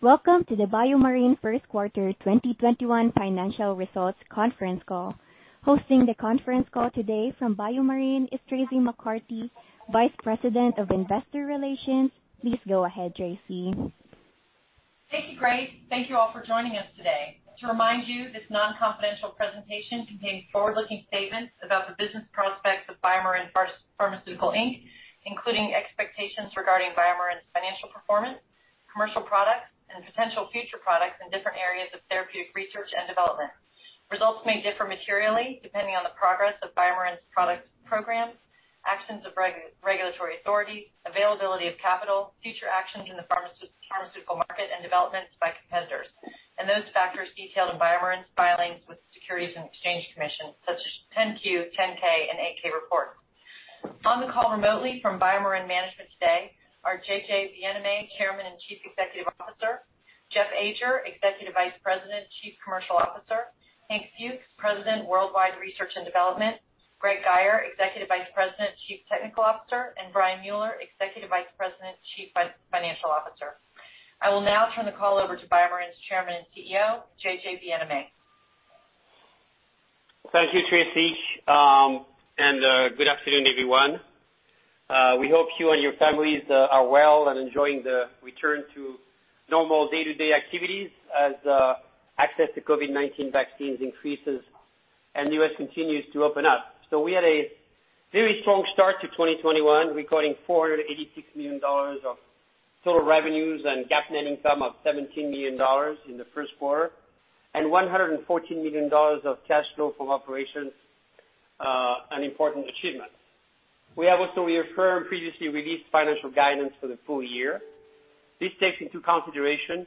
Welcome to the BioMarin First Quarter 2021 Financial Results Conference Call. Hosting the conference call today from BioMarin is Traci McCarty, Vice President of Investor Relations. Please go ahead, Traci. Thank you, Grace. Thank you all for joining us today. To remind you, this non-confidential presentation contains forward-looking statements about the business prospects of BioMarin Pharmaceutical Inc., including expectations regarding BioMarin's financial performance, commercial products, and potential future products in different areas of therapeutic research and development. Results may differ materially depending on the progress of BioMarin's product programs, actions of regulatory authorities, availability of capital, future actions in the pharmaceutical market, and developments by competitors, and those factors detailed in BioMarin's filings with the Securities and Exchange Commission, such as 10-Q, 10-K, and 8-K reports. On the call remotely from BioMarin Management today are J.J. Bienaimé, Chairman and Chief Executive Officer, Jeff Ajer, Executive Vice President, Chief Commercial Officer, Hank Fuchs, President, Worldwide Research and Development, Greg Guyer, Executive Vice President, Chief Technical Officer, and Brian Mueller, Executive Vice President, Chief Financial Officer. I will now turn the call over to BioMarin's Chairman and CEO, J.J. Bienaimé. Thank you, Traci, and good afternoon, everyone. We hope you and your families are well and enjoying the return to normal day-to-day activities as access to COVID-19 vaccines increases and the U.S. continues to open up, so we had a very strong start to 2021, recording $486 million of total revenues and GAAP net income of $17 million in the first quarter, and $114 million of cash flow from operations, an important achievement. We have also reaffirmed previously released financial guidance for the full year. This takes into consideration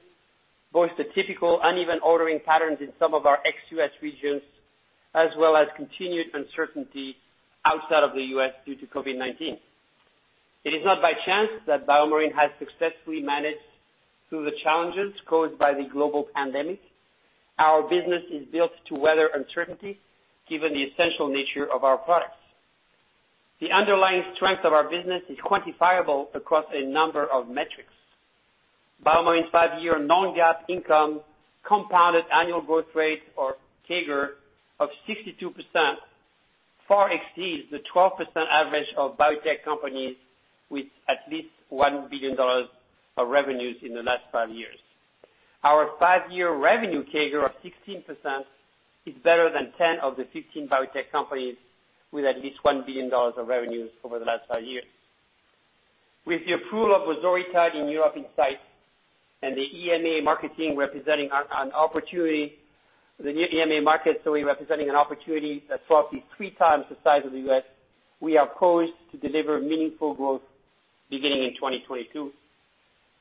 both the typical uneven ordering patterns in some of our ex-U.S. regions, as well as continued uncertainty outside of the U.S. due to COVID-19. It is not by chance that BioMarin has successfully managed through the challenges caused by the global pandemic. Our business is built to weather uncertainty, given the essential nature of our products. The underlying strength of our business is quantifiable across a number of metrics. BioMarin's five-year non-GAAP income compounded annual growth rate, or CAGR, of 62% far exceeds the 12% average of biotech companies with at least $1 billion of revenues in the last five years. Our five-year revenue CAGR of 16% is better than 10 of the 15 biotech companies with at least $1 billion of revenues over the last five years. With the approval of vosoritide in Europe in sight and the EMA marketing authorization representing an opportunity that's roughly three times the size of the U.S., we are poised to deliver meaningful growth beginning in 2022.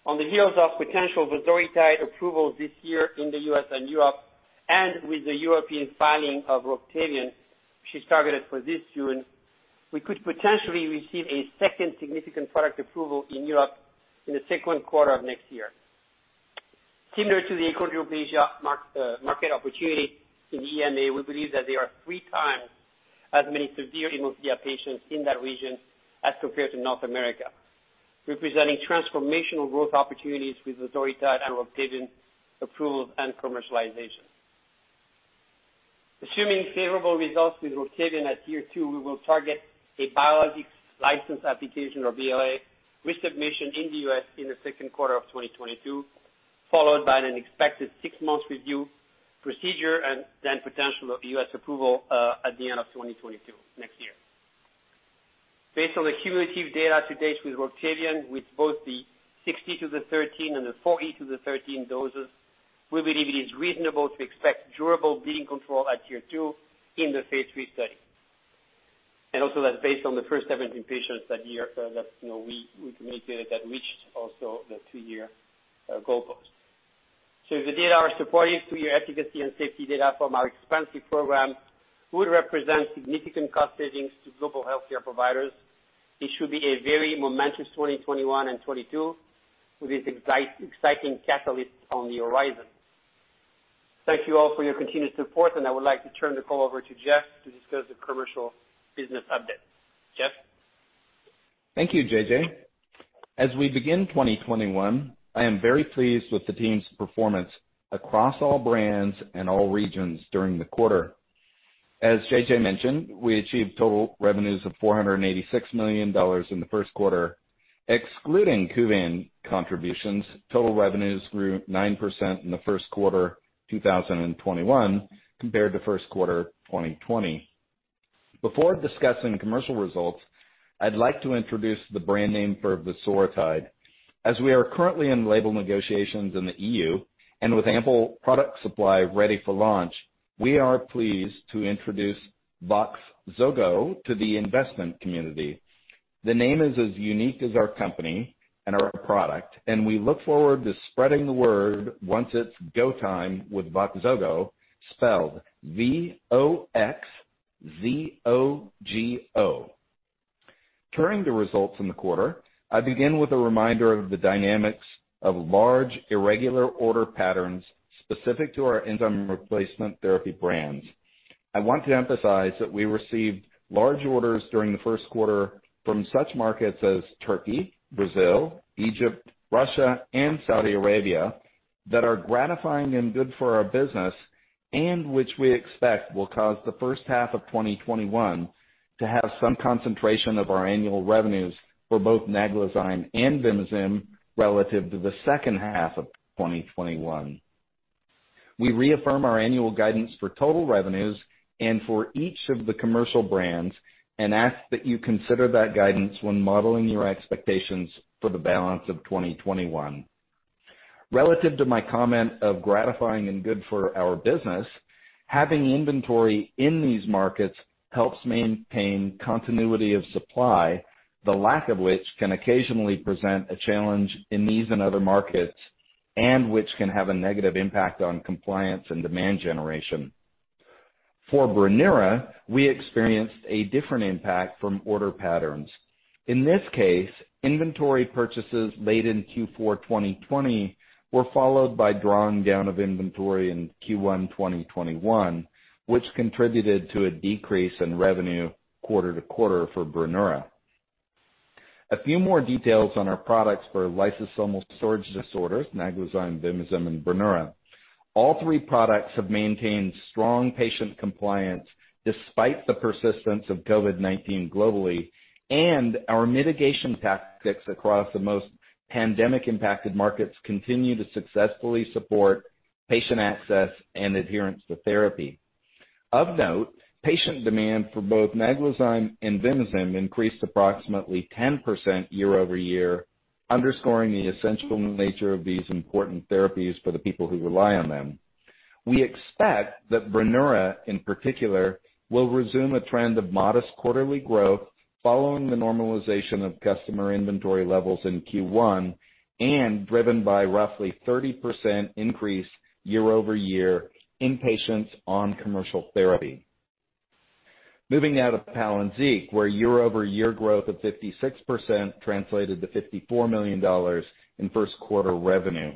On the heels of potential vosoritide approvals this year in the U.S. and Europe, and with the European filing of Roctavian, which is targeted for this June, we could potentially receive a second significant product approval in Europe in the second quarter of next year. Similar to the achondroplasia market opportunity in the EMA, we believe that there are three times as many severe hemophilia patients in that region as compared to North America, representing transformational growth opportunities with vosoritide and Roctavian approvals and commercialization. Assuming favorable results with Roctavian at year two, we will target a biologics license application, or BLA, with submission in the U.S. in the second quarter of 2022, followed by an expected six-month review procedure, and then potential U.S. approval at the end of 2022, next year. Based on the cumulative data to date with Roctavian, with both the 6 x 10^13 and the 4 x 10^13 doses, we believe it is reasonable to expect durable bleeding control at year two in the phase III study. Also, that's based on the first 17 patients that we communicated that reached also the two-year goalpost. If the data are supportive of the efficacy and safety data from our extensive program, it would represent significant cost savings to global healthcare providers. It should be a very momentous 2021 and 2022 with this exciting catalyst on the horizon. Thank you all for your continued support, and I would like to turn the call over to Jeff to discuss the commercial business update. Jeff? Thank you, J.J. As we begin 2021, I am very pleased with the team's performance across all brands and all regions during the quarter. As J.J. mentioned, we achieved total revenues of $486 million in the first quarter. Excluding Kuvan contributions, total revenues grew 9% in the first quarter 2021 compared to first quarter 2020. Before discussing commercial results, I'd like to introduce the brand name for vosoritide. As we are currently in label negotiations in the EU and with ample product supply ready for launch, we are pleased to introduce Voxzogo to the investment community. The name is as unique as our company and our product, and we look forward to spreading the word once it's go time with Voxzogo, spelled V-O-X-Z-O-G-O. Turning to results in the quarter, I begin with a reminder of the dynamics of large irregular order patterns specific to our enzyme replacement therapy brands. I want to emphasize that we received large orders during the first quarter from such markets as Turkey, Brazil, Egypt, Russia, and Saudi Arabia that are gratifying and good for our business, and which we expect will cause the first half of 2021 to have some concentration of our annual revenues for both Naglazyme and Vimizim relative to the second half of 2021. We reaffirm our annual guidance for total revenues and for each of the commercial brands and ask that you consider that guidance when modeling your expectations for the balance of 2021. Relative to my comment of gratifying and good for our business, having inventory in these markets helps maintain continuity of supply, the lack of which can occasionally present a challenge in these and other markets, and which can have a negative impact on compliance and demand generation. For Brineura, we experienced a different impact from order patterns. In this case, inventory purchases late in Q4 2020 were followed by drawing down of inventory in Q1 2021, which contributed to a decrease in revenue quarter-to-quarter for Brineura. A few more details on our products for lysosomal storage disorders: Naglazyme, Vimizim, and Brineura. All three products have maintained strong patient compliance despite the persistence of COVID-19 globally, and our mitigation tactics across the most pandemic-impacted markets continue to successfully support patient access and adherence to therapy. Of note, patient demand for both Naglazyme and Vimizim increased approximately 10% year-over-year, underscoring the essential nature of these important therapies for the people who rely on them. We expect that Brineura, in particular, will resume a trend of modest quarterly growth following the normalization of customer inventory levels in Q1 and driven by roughly a 30% increase year-over-year in patients on commercial therapy. Moving now to Palynziq, where year-over-year growth of 56% translated to $54 million in first quarter revenue,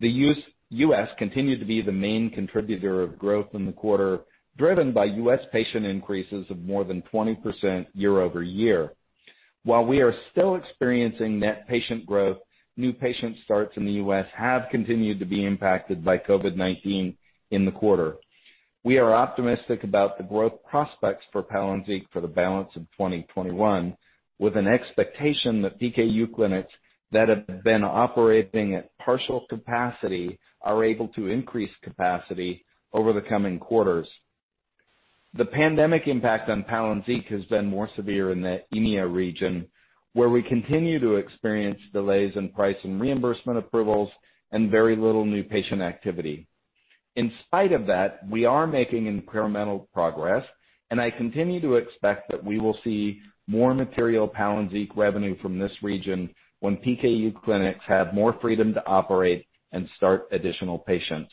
the U.S. continued to be the main contributor of growth in the quarter, driven by U.S. patient increases of more than 20% year-over-year. While we are still experiencing net patient growth, new patient starts in the U.S. have continued to be impacted by COVID-19 in the quarter. We are optimistic about the growth prospects for Palynziq for the balance of 2021, with an expectation that PKU clinics that have been operating at partial capacity are able to increase capacity over the coming quarters. The pandemic impact on Palynziq has been more severe in the EMEA region, where we continue to experience delays in price and reimbursement approvals and very little new patient activity. In spite of that, we are making incremental progress, and I continue to expect that we will see more material Palynziq revenue from this region when PKU clinics have more freedom to operate and start additional patients.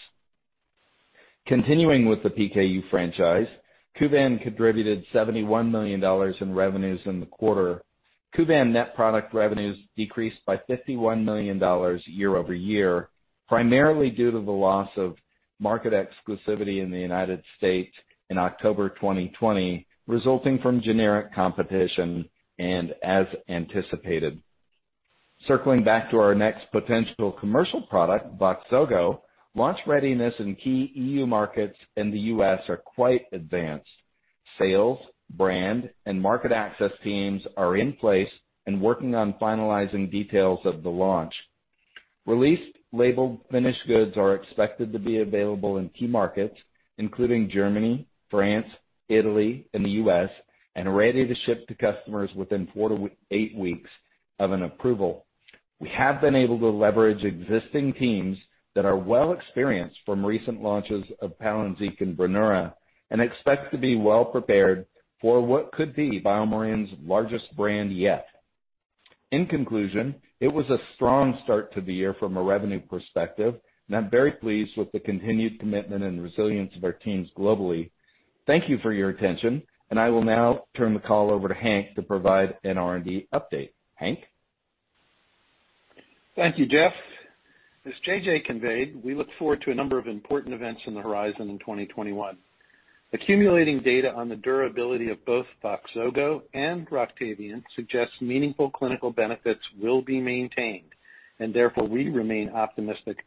Continuing with the PKU franchise, Kuvan contributed $71 million in revenues in the quarter. Kuvan net product revenues decreased by $51 million year-over-year, primarily due to the loss of market exclusivity in the U.S. in October 2020, resulting from generic competition and as anticipated. Circling back to our next potential commercial product, Voxzogo, launch readiness in key EU markets and the U.S. are quite advanced. Sales, brand, and market access teams are in place and working on finalizing details of the launch. Released, labeled, finished goods are expected to be available in key markets, including Germany, France, Italy, and the U.S., and ready to ship to customers within four-to-eight weeks of an approval. We have been able to leverage existing teams that are well experienced from recent launches of Palynziq and Brineura and expect to be well prepared for what could be BioMarin's largest brand yet. In conclusion, it was a strong start to the year from a revenue perspective, and I'm very pleased with the continued commitment and resilience of our teams globally. Thank you for your attention, and I will now turn the call over to Hank to provide an R&D update. Hank? Thank you, Jeff. As J.J. conveyed, we look forward to a number of important events on the horizon in 2021. Accumulating data on the durability of both Voxzogo and Roctavian suggests meaningful clinical benefits will be maintained, and therefore we remain optimistic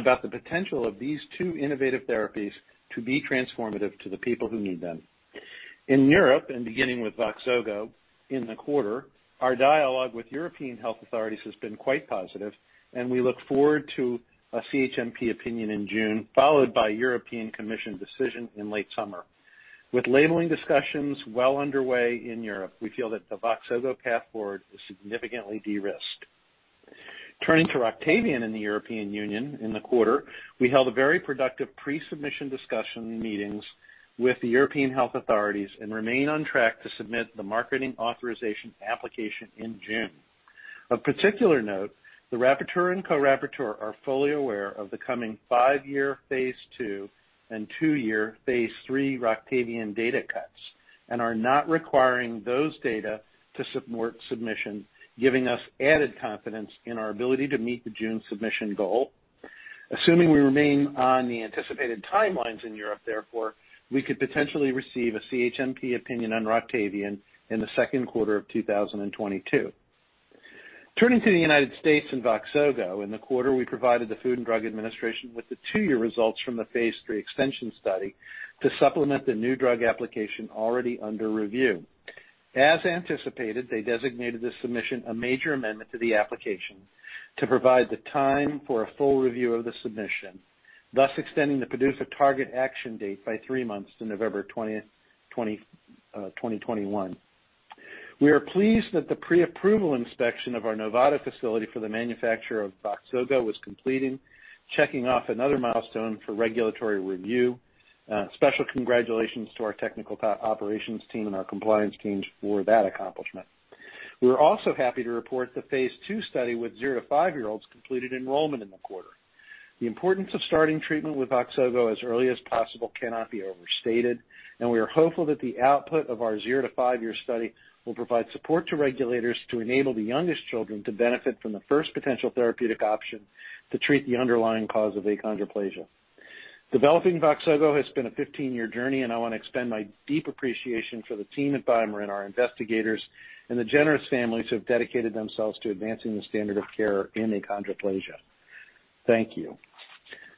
about the potential of these two innovative therapies to be transformative to the people who need them. In Europe, and beginning with Voxzogo in the quarter, our dialogue with European health authorities has been quite positive, and we look forward to a CHMP opinion in June, followed by European Commission decision in late summer. With labeling discussions well underway in Europe, we feel that the Voxzogo path forward is significantly de-risked. Turning to Roctavian in the European Union, in the quarter, we held a very productive pre-submission discussion meetings with the European health authorities and remain on track to submit the marketing authorization application in June. Of particular note, the rapporteur and co-rapporteur are fully aware of the coming five-year phase II and two-year phase III Roctavian data cuts and are not requiring those data to support submission, giving us added confidence in our ability to meet the June submission goal. Assuming we remain on the anticipated timelines in Europe, therefore, we could potentially receive a CHMP opinion on Roctavian in the second quarter of 2022. Turning to the U.S. and Voxzogo, in the quarter, we provided the Food and Drug Administration with the two-year results from the phase III extension study to supplement the new drug application already under review. As anticipated, they designated this submission a major amendment to the application to provide the time for a full review of the submission, thus extending the PDUFA target action date by three months to November 20th, 2021. We are pleased that the pre-approval inspection of our Novato facility for the manufacturing of Voxzogo was completed, checking off another milestone for regulatory review. Special congratulations to our technical operations team and our compliance teams for that accomplishment. We are also happy to report the phase II study with zero to five-year-olds completed enrollment in the quarter. The importance of starting treatment with Voxzogo as early as possible cannot be overstated, and we are hopeful that the output of our zero to five-year study will provide support to regulators to enable the youngest children to benefit from the first potential therapeutic option to treat the underlying cause of achondroplasia. Developing Voxzogo has been a 15-year journey, and I want to extend my deep appreciation for the team at BioMarin, our investigators, and the generous families who have dedicated themselves to advancing the standard of care in achondroplasia. Thank you.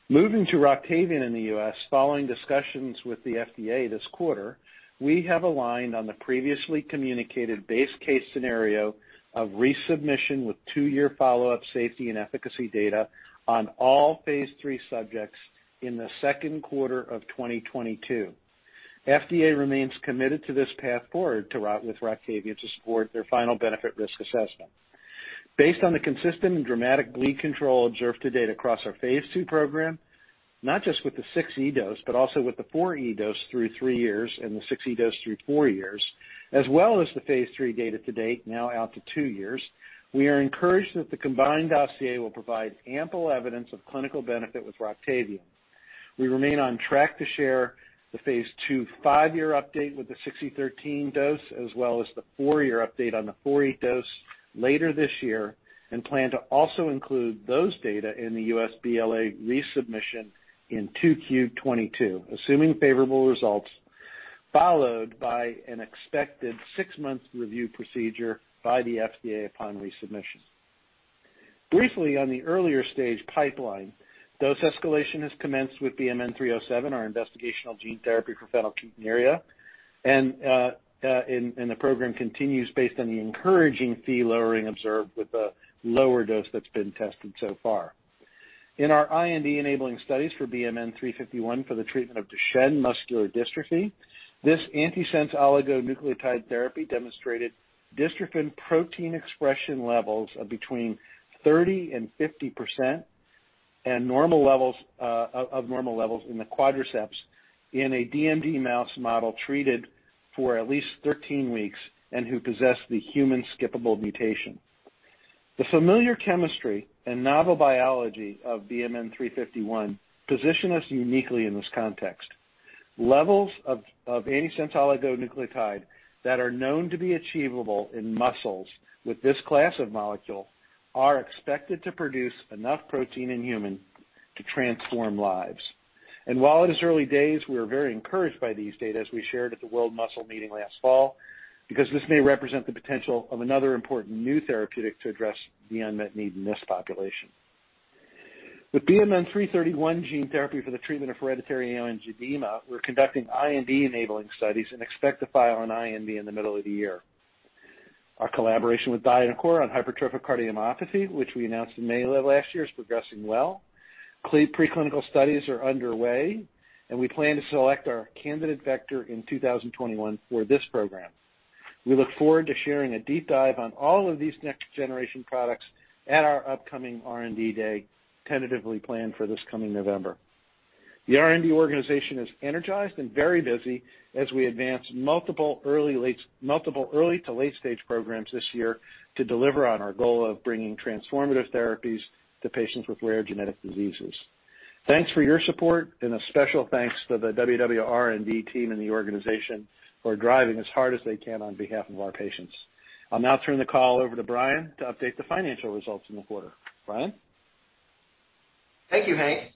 Moving to Roctavian in the U.S., following discussions with the FDA this quarter, we have aligned on the previously communicated base case scenario of resubmission with two-year follow-up safety and efficacy data on all phase III subjects in the second quarter of 2022. FDA remains committed to this path forward with Roctavian to support their final benefit risk assessment. Based on the consistent and dramatic bleed control observed to date across our phase II program, not just with the 6e13 dose, but also with the 4e13 dose through three years and the 6e13 dose through four years, as well as the phase III data to date, now out to two years, we are encouraged that the combined dossier will provide ample evidence of clinical benefit with Roctavian. We remain on track to share the phase II five-year update with the 6e13 dose, as well as the four-year update on the 4e13 dose later this year, and plan to also include those data in the U.S. BLA resubmission in 2Q 2022, assuming favorable results, followed by an expected six-month review procedure by the FDA upon resubmission. Briefly, on the earlier stage pipeline, dose escalation has commenced with BMN 307, our investigational gene therapy for PKU, and the program continues based on the encouraging Phe lowering observed with the lower dose that's been tested so far. In our IND enabling studies for BMN 351 for the treatment of Duchenne muscular dystrophy, this antisense oligonucleotide therapy demonstrated dystrophin protein expression levels of between 30% and 50% of normal levels in the quadriceps in a DMD mouse model treated for at least 13 weeks and who possess the human skippable mutation. The familiar chemistry and novel biology of BMN 351 position us uniquely in this context. Levels of antisense oligonucleotide that are known to be achievable in muscles with this class of molecule are expected to produce enough protein in humans to transform lives. While it is early days, we are very encouraged by these data, as we shared at the World Muscle Meeting last fall, because this may represent the potential of another important new therapeutic to address the unmet need in this population. With BMN 331 gene therapy for the treatment of hereditary angioedema, we're conducting IND enabling studies and expect to file an IND in the middle of the year. Our collaboration with DiNAQOR on hypertrophic cardiomyopathy, which we announced in May of last year, is progressing well. Preclinical studies are underway, and we plan to select our candidate vector in 2021 for this program. We look forward to sharing a deep dive on all of these next-generation products at our upcoming R&D day, tentatively planned for this coming November. The R&D organization is energized and very busy as we advance multiple early to late-stage programs this year to deliver on our goal of bringing transformative therapies to patients with rare genetic diseases. Thanks for your support, and a special thanks to the worldwide R&D and the team and the organization for driving as hard as they can on behalf of our patients. I'll now turn the call over to Brian to update the financial results in the quarter. Brian? Thank you, Hank.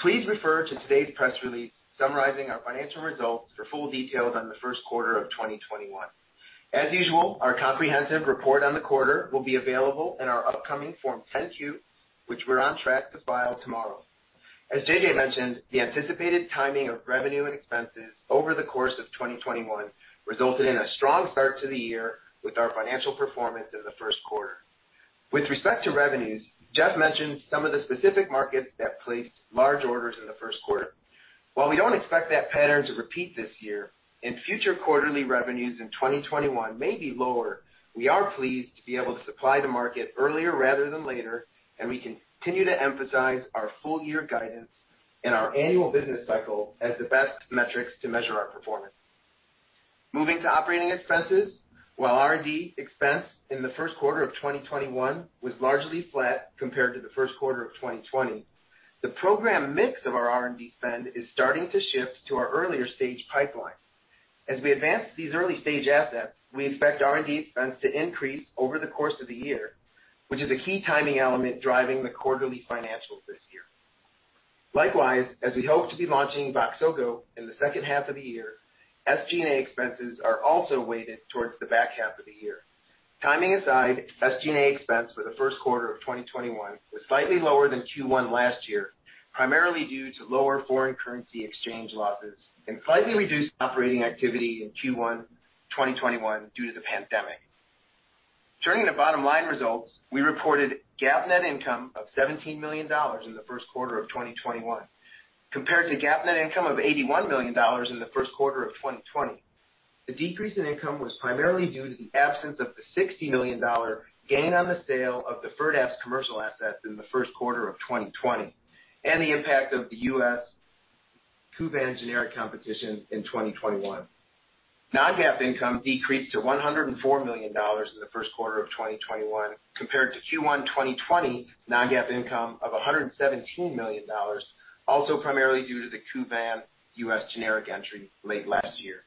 Please refer to today's press release summarizing our financial results for full details on the first quarter of 2021. As usual, our comprehensive report on the quarter will be available in our upcoming Form 10-Q, which we're on track to file tomorrow. As J.J. mentioned, the anticipated timing of revenue and expenses over the course of 2021 resulted in a strong start to the year with our financial performance in the first quarter. With respect to revenues, Jeff mentioned some of the specific markets that placed large orders in the first quarter. While we don't expect that pattern to repeat this year, and future quarterly revenues in 2021 may be lower, we are pleased to be able to supply the market earlier rather than later, and we continue to emphasize our full-year guidance and our annual business cycle as the best metrics to measure our performance. Moving to operating expenses, while R&D expense in the first quarter of 2021 was largely flat compared to the first quarter of 2020, the program mix of our R&D spend is starting to shift to our earlier stage pipeline. As we advance these early-stage assets, we expect R&D expense to increase over the course of the year, which is a key timing element driving the quarterly financials this year. Likewise, as we hope to be launching Voxzogo in the second half of the year, SG&A expenses are also weighted towards the back half of the year. Timing aside, SG&A expense for the first quarter of 2021 was slightly lower than Q1 last year, primarily due to lower foreign currency exchange losses and slightly reduced operating activity in Q1 2021 due to the pandemic. Turning to bottom line results, we reported GAAP net income of $17 million in the first quarter of 2021, compared to GAAP net income of $81 million in the first quarter of 2020. The decrease in income was primarily due to the absence of the $60 million gain on the sale of the Firdapse commercial assets in the first quarter of 2020 and the impact of the U.S. Kuvan generic competition in 2021. Non-GAAP income decreased to $104 million in the first quarter of 2021, compared to Q1 2020 non-GAAP income of $117 million, also primarily due to the Kuvan U.S. generic entry late last year.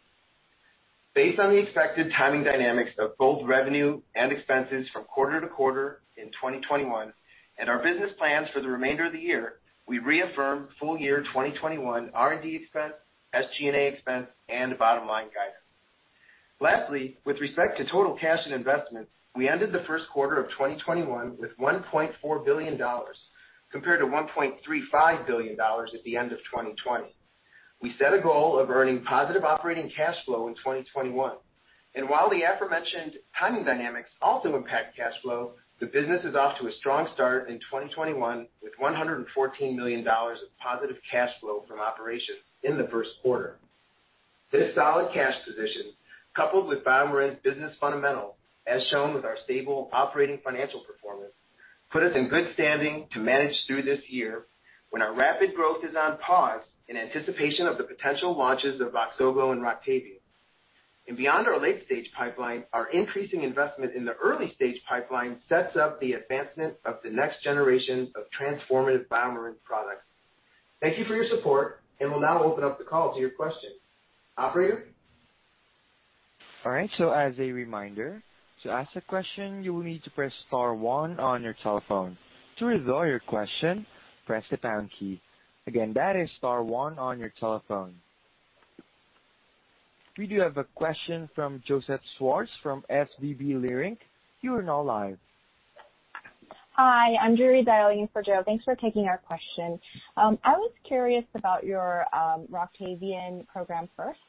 Based on the expected timing dynamics of both revenue and expenses from quarter-to-quarter in 2021 and our business plans for the remainder of the year, we reaffirm full-year 2021 R&D expense, SG&A expense, and bottom line guidance. Lastly, with respect to total cash and investment, we ended the first quarter of 2021 with $1.4 billion, compared to $1.35 billion at the end of 2020. We set a goal of earning positive operating cash flow in 2021, and while the aforementioned timing dynamics also impact cash flow, the business is off to a strong start in 2021 with $114 million of positive cash flow from operations in the first quarter. This solid cash position, coupled with BioMarin's business fundamentals, as shown with our stable operating financial performance, put us in good standing to manage through this year when our rapid growth is on pause in anticipation of the potential launches of Voxzogo and Roctavian, and beyond our late-stage pipeline, our increasing investment in the early-stage pipeline sets up the advancement of the next generation of transformative BioMarin products. Thank you for your support, and we'll now open up the call to your questions. Operator? All right. So as a reminder, to ask a question, you will need to press star one on your telephone. To resolve your question, press the pound key. Again, that is star one on your telephone. We do have a question from Joseph Schwartz from SVB Leerink. You are now live. Hi, I'm Joori dialing for Joe. Thanks for taking our question. I was curious about your Roctavian program first.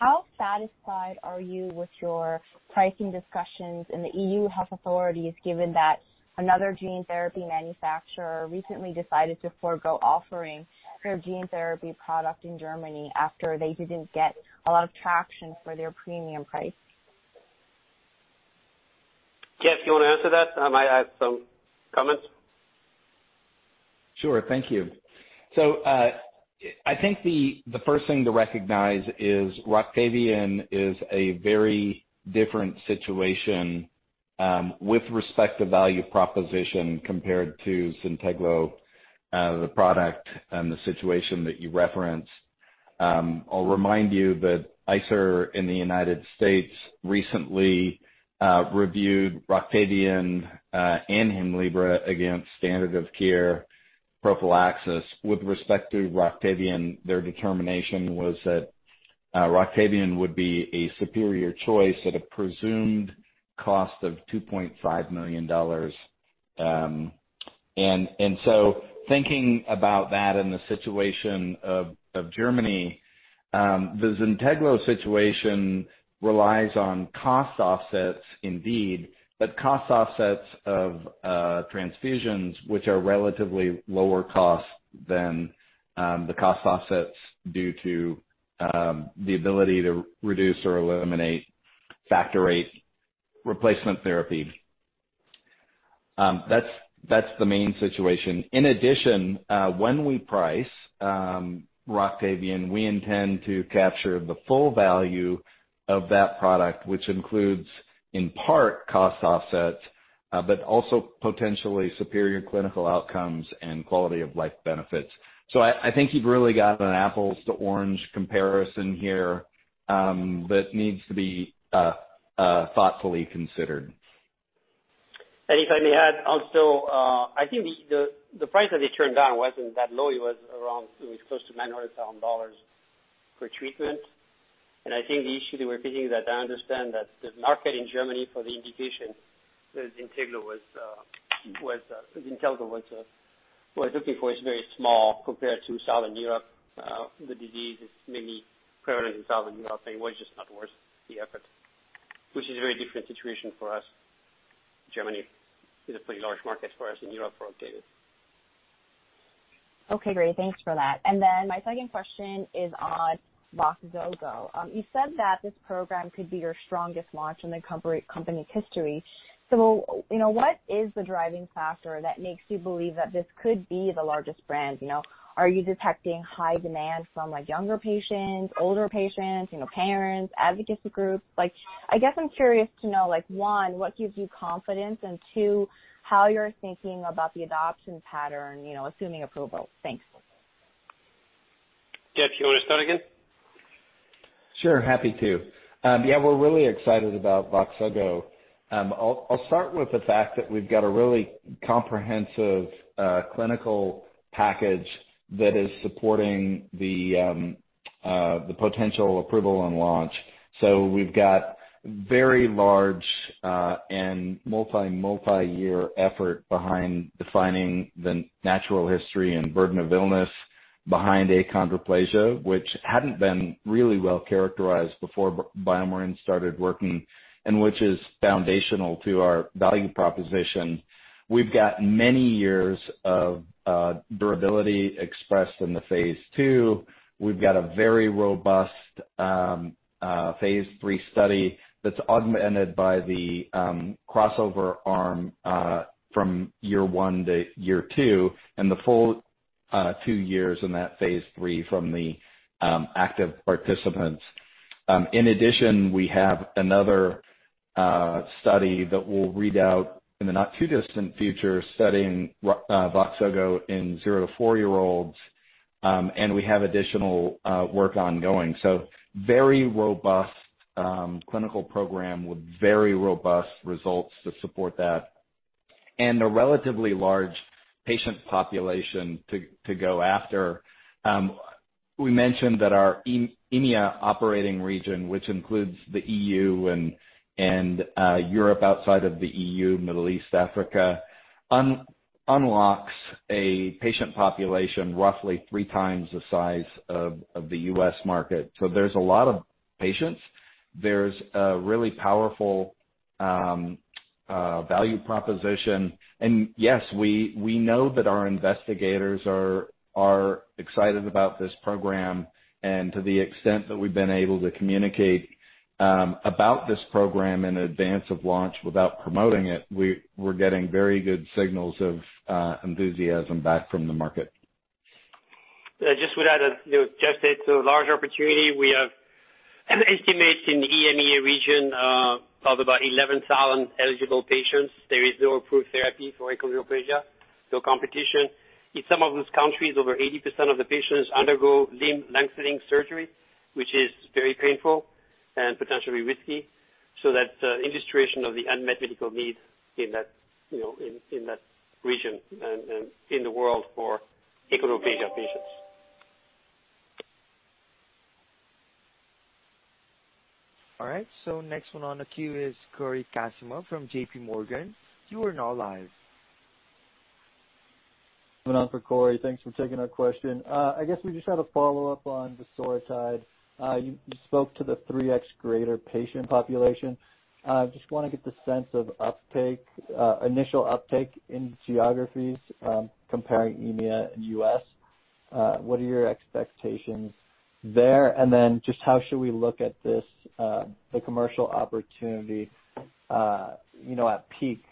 How satisfied are you with your pricing discussions and the EU health authorities, given that another gene therapy manufacturer recently decided to forgo offering their gene therapy product in Germany after they didn't get a lot of traction for their premium price? Jeff, do you want to answer that? I have some comments. Sure. Thank you. So I think the first thing to recognize is Roctavian is a very different situation with respect to value proposition compared to Zynteglo, the product and the situation that you referenced. I'll remind you that ICER in the U.S. recently reviewed Roctavian and Hemlibra against standard of care prophylaxis. With respect to Roctavian, their determination was that Roctavian would be a superior choice at a presumed cost of $2.5 million. And so thinking about that and the situation of Germany, the Zynteglo situation relies on cost offsets indeed, but cost offsets of transfusions, which are relatively lower cost than the cost offsets due to the ability to reduce or eliminate Factor VIII replacement therapy. That's the main situation. In addition, when we price Roctavian, we intend to capture the full value of that product, which includes in part cost offsets, but also potentially superior clinical outcomes and quality of life benefits. So I think you've really got an apples-to-oranges comparison here that needs to be thoughtfully considered. If I may add, also, I think the price that they turned down wasn't that low. It was around close to $900,000 per treatment. I think the issue they were facing is that I understand that the market in Germany for the indication that Zynteglo was looking for is very small compared to Southern Europe. The disease is mainly prevalent in Southern Europe, and it was just not worth the effort, which is a very different situation for us. Germany is a pretty large market for us in Europe for Roctavian. Okay, great. Thanks for that. And then my second question is on Voxzogo. You said that this program could be your strongest launch in the company's history. So what is the driving factor that makes you believe that this could be the largest brand? Are you detecting high demand from younger patients, older patients, parents, advocacy groups? I guess I'm curious to know, one, what gives you confidence, and two, how you're thinking about the adoption pattern, assuming approval? Thanks. Jeff, do you want to start again? Sure. Happy to. Yeah, we're really excited about Voxzogo. I'll start with the fact that we've got a really comprehensive clinical package that is supporting the potential approval and launch. So we've got a very large and multi-year effort behind defining the natural history and burden of illness behind achondroplasia, which hadn't been really well characterized before BioMarin started working, and which is foundational to our value proposition. We've got many years of durability expressed in the phase II. We've got a very robust phase III study that's augmented by the crossover arm from year one to year two and the full two years in that phase III from the active participants. In addition, we have another study that we'll read out in the not-too-distant future, studying Voxzogo in 0-4 year-olds, and we have additional work ongoing. So very robust clinical program with very robust results to support that and a relatively large patient population to go after. We mentioned that our EMEA operating region, which includes the EU and Europe outside of the EU, Middle East, Africa, unlocks a patient population roughly three times the size of the U.S. market. So there's a lot of patients. There's a really powerful value proposition. And yes, we know that our investigators are excited about this program. And to the extent that we've been able to communicate about this program in advance of launch without promoting it, we're getting very good signals of enthusiasm back from the market. Just would add, Jeff said, it's a large opportunity. We have estimated in the EMEA region of about 11,000 eligible patients. There is no approved therapy for achondroplasia. So competition in some of those countries, over 80% of the patients undergo limb lengthening surgery, which is very painful and potentially risky. So that's the illustration of the unmet medical need in that region and in the world for achondroplasia patients. All right. So next one on the queue is Cory Kasimov from J.P. Morgan. You are now live. Coming on for Cory. Thanks for taking our question. I guess we just had a follow-up on vosoritide. You spoke to the 3X greater patient population. I just want to get the sense of initial uptake in geographies comparing EMEA and U.S. What are your expectations there? And then just how should we look at this, the commercial opportunity at peak,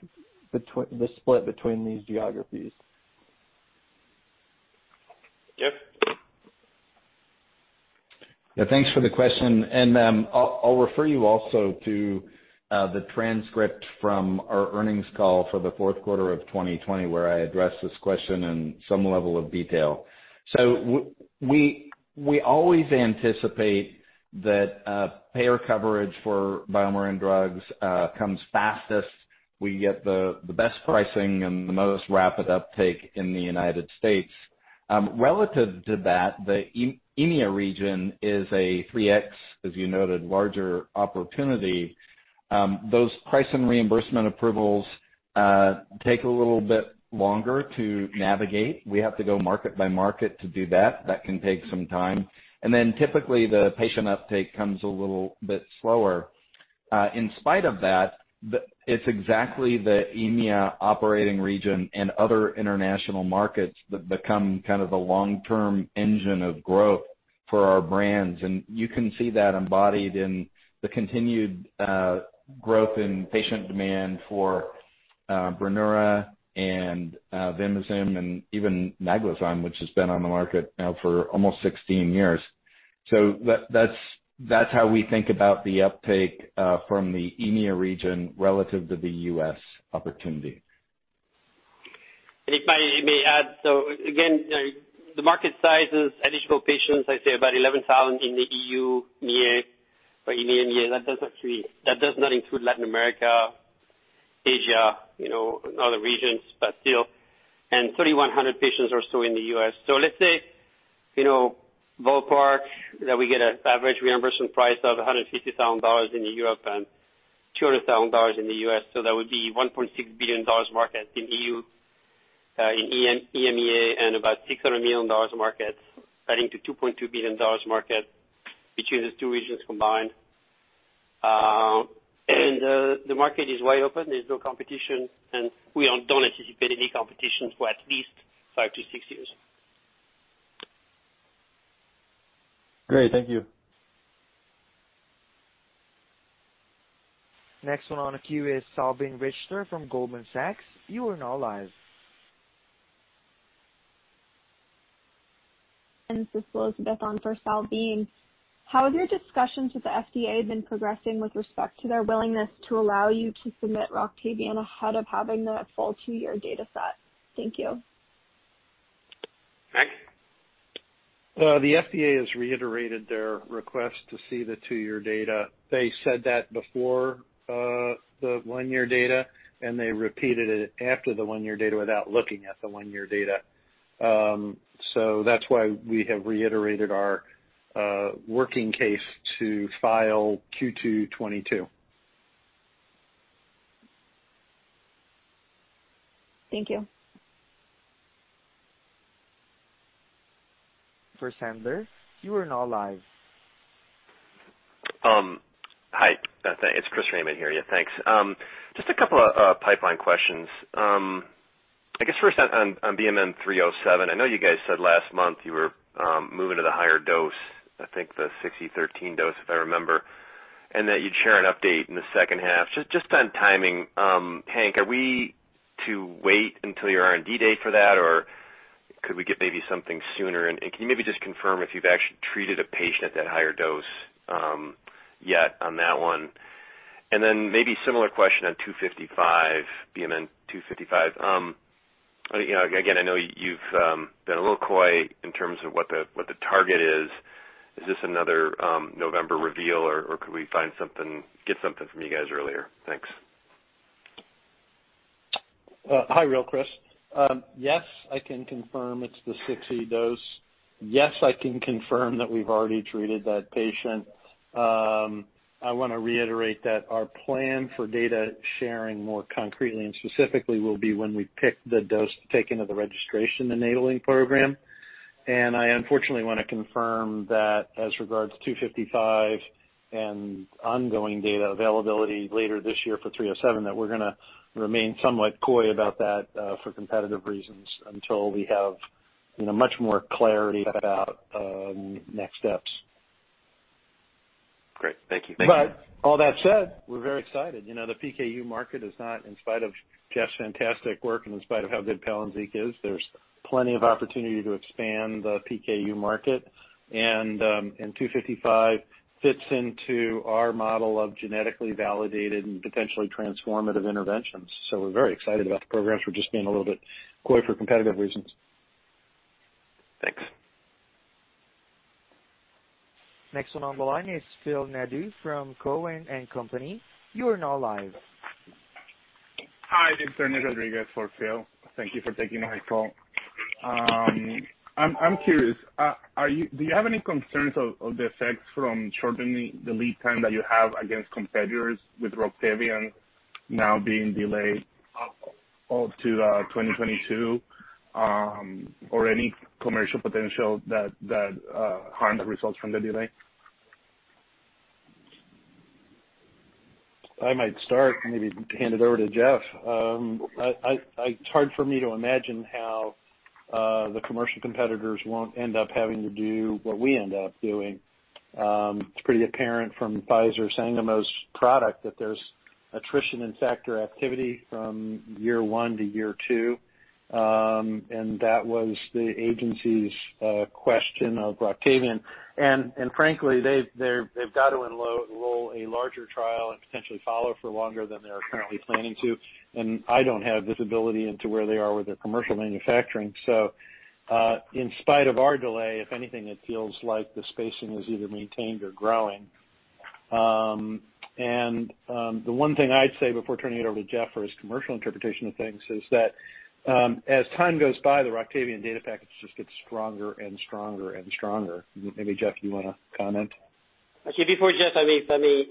the split between these geographies? Jeff? Yeah. Thanks for the question. And I'll refer you also to the transcript from our earnings call for the fourth quarter of 2020, where I addressed this question in some level of detail. So we always anticipate that payer coverage for BioMarin drugs comes fastest. We get the best pricing and the most rapid uptake in the U.S. Relative to that, the EMEA region is a 3X, as you noted, larger opportunity. Those price and reimbursement approvals take a little bit longer to navigate. We have to go market by market to do that. That can take some time. And then typically, the patient uptake comes a little bit slower. In spite of that, it's exactly the EMEA operating region and other international markets that become kind of the long-term engine of growth for our brands. And you can see that embodied in the continued growth in patient demand for Brineura and Vimizim and even Naglazyme, which has been on the market now for almost 16 years. So that's how we think about the uptake from the EMEA region relative to the U.S. opportunity. And if I may add, so again, the market size is eligible patients. I'd say about 11,000 in the EU or EMEA. That does not include Latin America, Asia, and other regions, but still, and 3,100 patients or so in the U.S. So let's say ballpark that we get an average reimbursement price of $150,000 in Europe and $200,000 in the U.S. So that would be $1.6 billion market in EU, in EMEA, and about $600 million market, adding to $2.2 billion market between the two regions combined. And the market is wide open. There's no competition. And we don't anticipate any competition for at least five to six years. Great. Thank you. Next one on the queue is Salveen Richter from Goldman Sachs. You are now live. This is Elizabeth on for Salveen. How have your discussions with the FDA been progressing with respect to their willingness to allow you to submit Roctavian ahead of having the full two-year data set? Thank you. Next. The FDA has reiterated their request to see the two-year data. They said that before the one-year data, and they repeated it after the one-year data without looking at the one-year data. So that's why we have reiterated our working case to file Q2 2022. Thank you. Chris Hender, you are now live. Hi. It's Chris Raymond here. Yeah, thanks. Just a couple of pipeline questions. I guess first on BMN 307, I know you guys said last month you were moving to the higher dose, I think the 6e13 dose, if I remember, and that you'd share an update in the second half. Just on timing, Hank, are we to wait until your R&D day for that, or could we get maybe something sooner? And can you maybe just confirm if you've actually treated a patient at that higher dose yet on that one? And then maybe similar question on 255, BMN 255. Again, I know you've been a little quiet in terms of what the target is. Is this another November reveal, or could we get something from you guys earlier? Thanks. Hi, Real Chris. Yes, I can confirm it's the 6e13 dose. Yes, I can confirm that we've already treated that patient. I want to reiterate that our plan for data sharing more concretely and specifically will be when we pick the dose to take into the registration enabling program, and I unfortunately want to confirm that as regards 255 and ongoing data availability later this year for 307, that we're going to remain somewhat quiet about that for competitive reasons until we have much more clarity about next steps. Great. Thank you. Thank you. But all that said, we're very excited. The PKU market is not, in spite of Jeff's fantastic work and in spite of how good Palynziq is, there's plenty of opportunity to expand the PKU market. And 255 fits into our model of genetically validated and potentially transformative interventions. So we're very excited about the programs. We're just being a little bit quiet for competitive reasons. Thanks. Next one on the line is Phil Nadeau from Cowen and Company. You are now live. Hi. This is Ernie Rodriguez for Phil. Thank you for taking my call. I'm curious, do you have any concerns of the effects from shortening the lead time that you have against competitors with Roctavian now being delayed up to 2022, or any commercial potential that harm the results from the delay? I might start, maybe hand it over to Jeff. It's hard for me to imagine how the commercial competitors won't end up having to do what we end up doing. It's pretty apparent from Pfizer Sangamo's product that there's attrition in factor activity from year one to year two. And that was the agency's question of Roctavian. And frankly, they've got to enroll a larger trial and potentially follow for longer than they're currently planning to. And I don't have visibility into where they are with their commercial manufacturing. So in spite of our delay, if anything, it feels like the spacing is either maintained or growing. And the one thing I'd say before turning it over to Jeff for his commercial interpretation of things is that as time goes by, the Roctavian data package just gets stronger and stronger and stronger. Maybe Jeff, you want to comment? Okay. Before Jeff, let me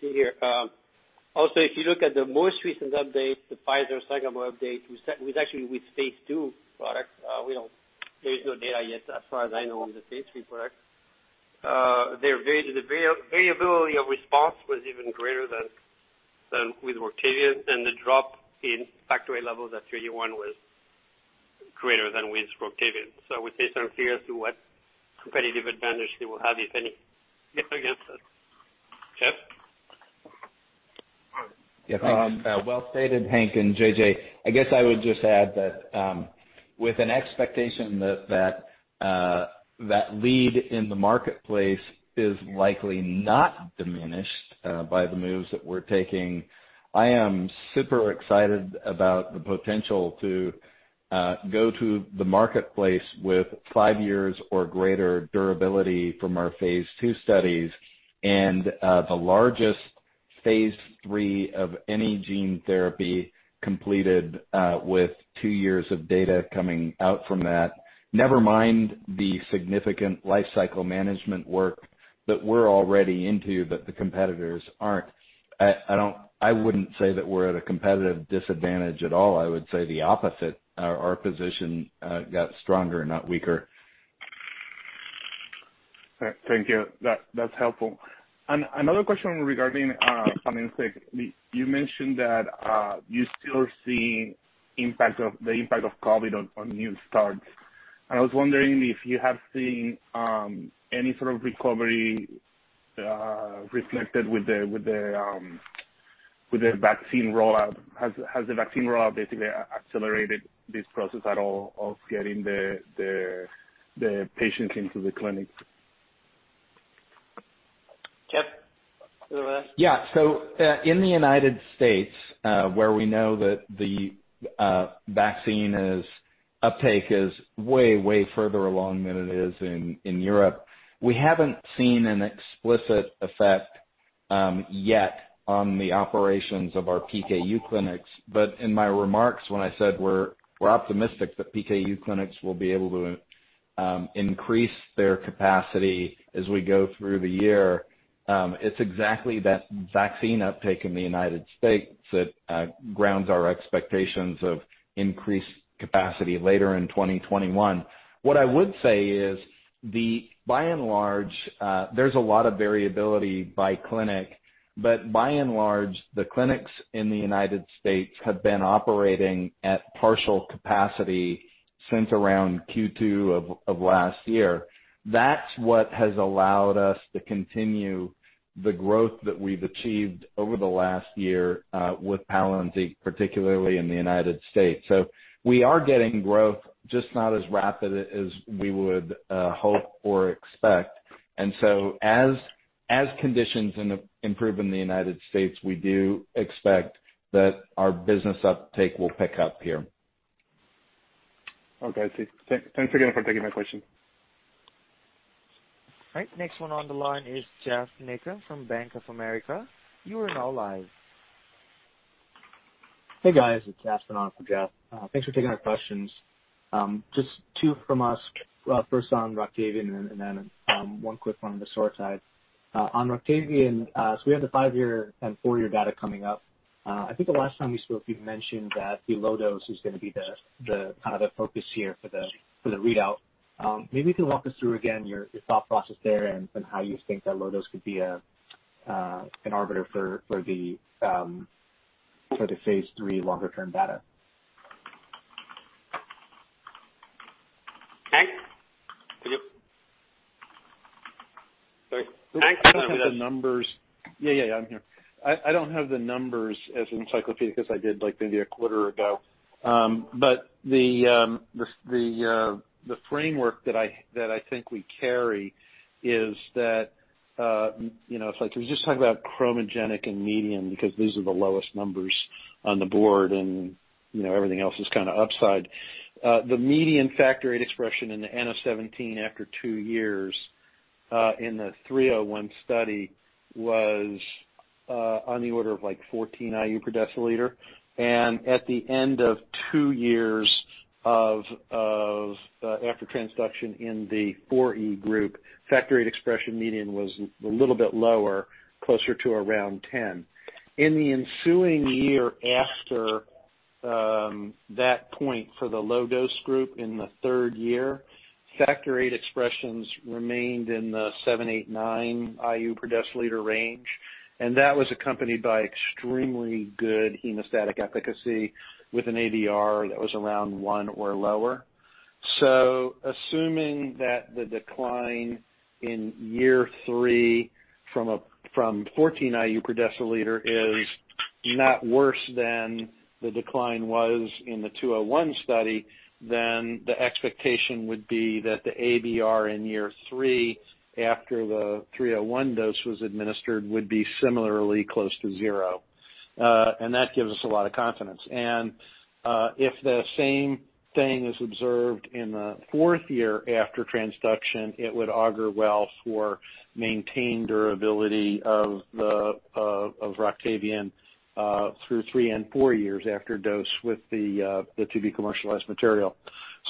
see here. Also, if you look at the most recent update, the Pfizer-Sangamo update, it was actually with phase II product. There is no data yet, as far as I know, on the phase III product. Their variability of response was even greater than with Roctavian, and the drop in Factor levels at 31 was greater than with Roctavian. So I would say some fear as to what competitive advantage they will have, if any, against that. Jeff? Yeah. Well stated, Hank and JJ. I guess I would just add that with an expectation that lead in the marketplace is likely not diminished by the moves that we're taking. I am super excited about the potential to go to the marketplace with five years or greater durability from our phase II studies and the largest phase III of any gene therapy completed with two years of data coming out from that. Never mind the significant life cycle management work that we're already into that the competitors aren't. I wouldn't say that we're at a competitive disadvantage at all. I would say the opposite. Our position got stronger, not weaker. Thank you. That's helpful. Another question regarding Palynziq. You mentioned that you still see the impact of COVID on new starts. And I was wondering if you have seen any sort of recovery reflected with the vaccine rollout. Has the vaccine rollout basically accelerated this process at all of getting the patients into the clinic? Jeff, you want to ask? Yeah, so in the U.S., where we know that the vaccine uptake is way, way further along than it is in Europe, we haven't seen an explicit effect yet on the operations of our PKU clinics, but in my remarks, when I said we're optimistic that PKU clinics will be able to increase their capacity as we go through the year, it's exactly that vaccine uptake in the U.S. that grounds our expectations of increased capacity later in 2021. What I would say is, by and large, there's a lot of variability by clinic, but by and large, the clinics in the U.S. have been operating at partial capacity since around Q2 of last year. That's what has allowed us to continue the growth that we've achieved over the last year with Palynziq, particularly in the U.S. So we are getting growth, just not as rapid as we would hope or expect. And so as conditions improve in the U.S., we do expect that our business uptake will pick up here. Okay. Thanks again for taking my question. All right. Next one on the line is Geoff Meacham from Bank of America. You are now live. Hey, guys. It's Aspen on for Geoff. Thanks for taking our questions. Just two from us. First on Roctavian and then one quick one on vosoritide. On Roctavian, so we have the five-year and four-year data coming up. I think the last time we spoke, you mentioned that the low dose is going to be kind of the focus here for the readout. Maybe you can walk us through again your thought process there and how you think that low dose could be an arbiter for the phase III longer-term data. Hank? Hank? I don't have the numbers. Yeah, yeah, yeah. I'm here. I don't have the numbers as encyclopedic as I did maybe a quarter ago. But the framework that I think we carry is that it's like we just talked about chromogenic and median because these are the lowest numbers on the board, and everything else is kind of upside. The median Factor VIII expression in the N=17 after two years in the 301 study was on the order of like 14 IU per deciliter, and at the end of two years after transduction in the 4E group, Factor VIII expression median was a little bit lower, closer to around 10. In the ensuing year after that point for the low dose group in the third year, Factor VIII expressions remained in the seven, eight, nine IU per deciliter range. That was accompanied by extremely good hemostatic efficacy with an ABR that was around one or lower. Assuming that the decline in year three from 14 IU per deciliter is not worse than the decline was in the 201 study, then the expectation would be that the ABR in year three after the 301 dose was administered would be similarly close to zero. That gives us a lot of confidence. If the same thing is observed in the fourth year after transduction, it would augur well for maintained durability of Roctavian through three and four years after dose with the to-be commercialized material.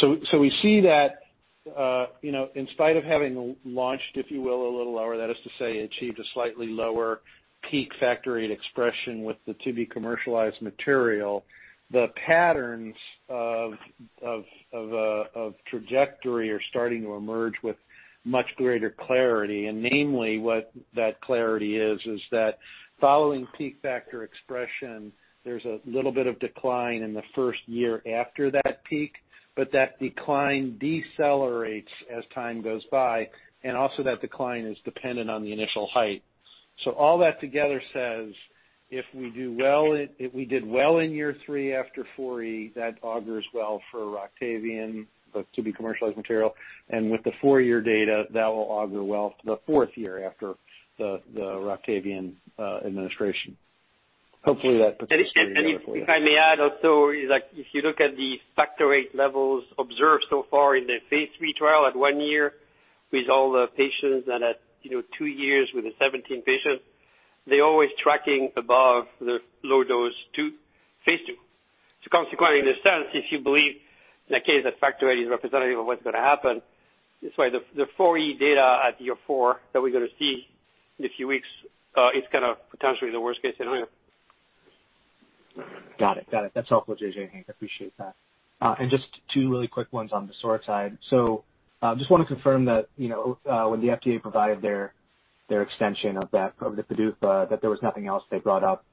We see that in spite of having launched, if you will, a little lower, that is to say, achieved a slightly lower peak Factor VIII expression with the to-be commercialized material, the patterns of trajectory are starting to emerge with much greater clarity. And namely, what that clarity is, is that following peak Factor VIII expression, there's a little bit of decline in the first year after that peak, but that decline decelerates as time goes by. And also, that decline is dependent on the initial height. So all that together says, if we did well in year three after 4E, that augurs well for Roctavian, the to-be commercialized material. And with the four-year data, that will augur well for the fourth year after the Roctavian administration. Hopefully, that. And if I may add also, if you look at the Factor VIII levels observed so far in the phase III trial at one year with all the patients and at two years with the 17 patients, they're always tracking above the low dose phase II. So consequently, in a sense, if you believe in a case that Factor VIII is representative of what's going to happen, that's why the 4E data at year four that we're going to see in a few weeks is kind of potentially the worst case scenario. Got it. Got it. That's helpful, J.J. and Hank. I appreciate that. And just two really quick ones on the vosoritide. So I just want to confirm that when the FDA provided their extension of the PDUFA, that there was nothing else they brought up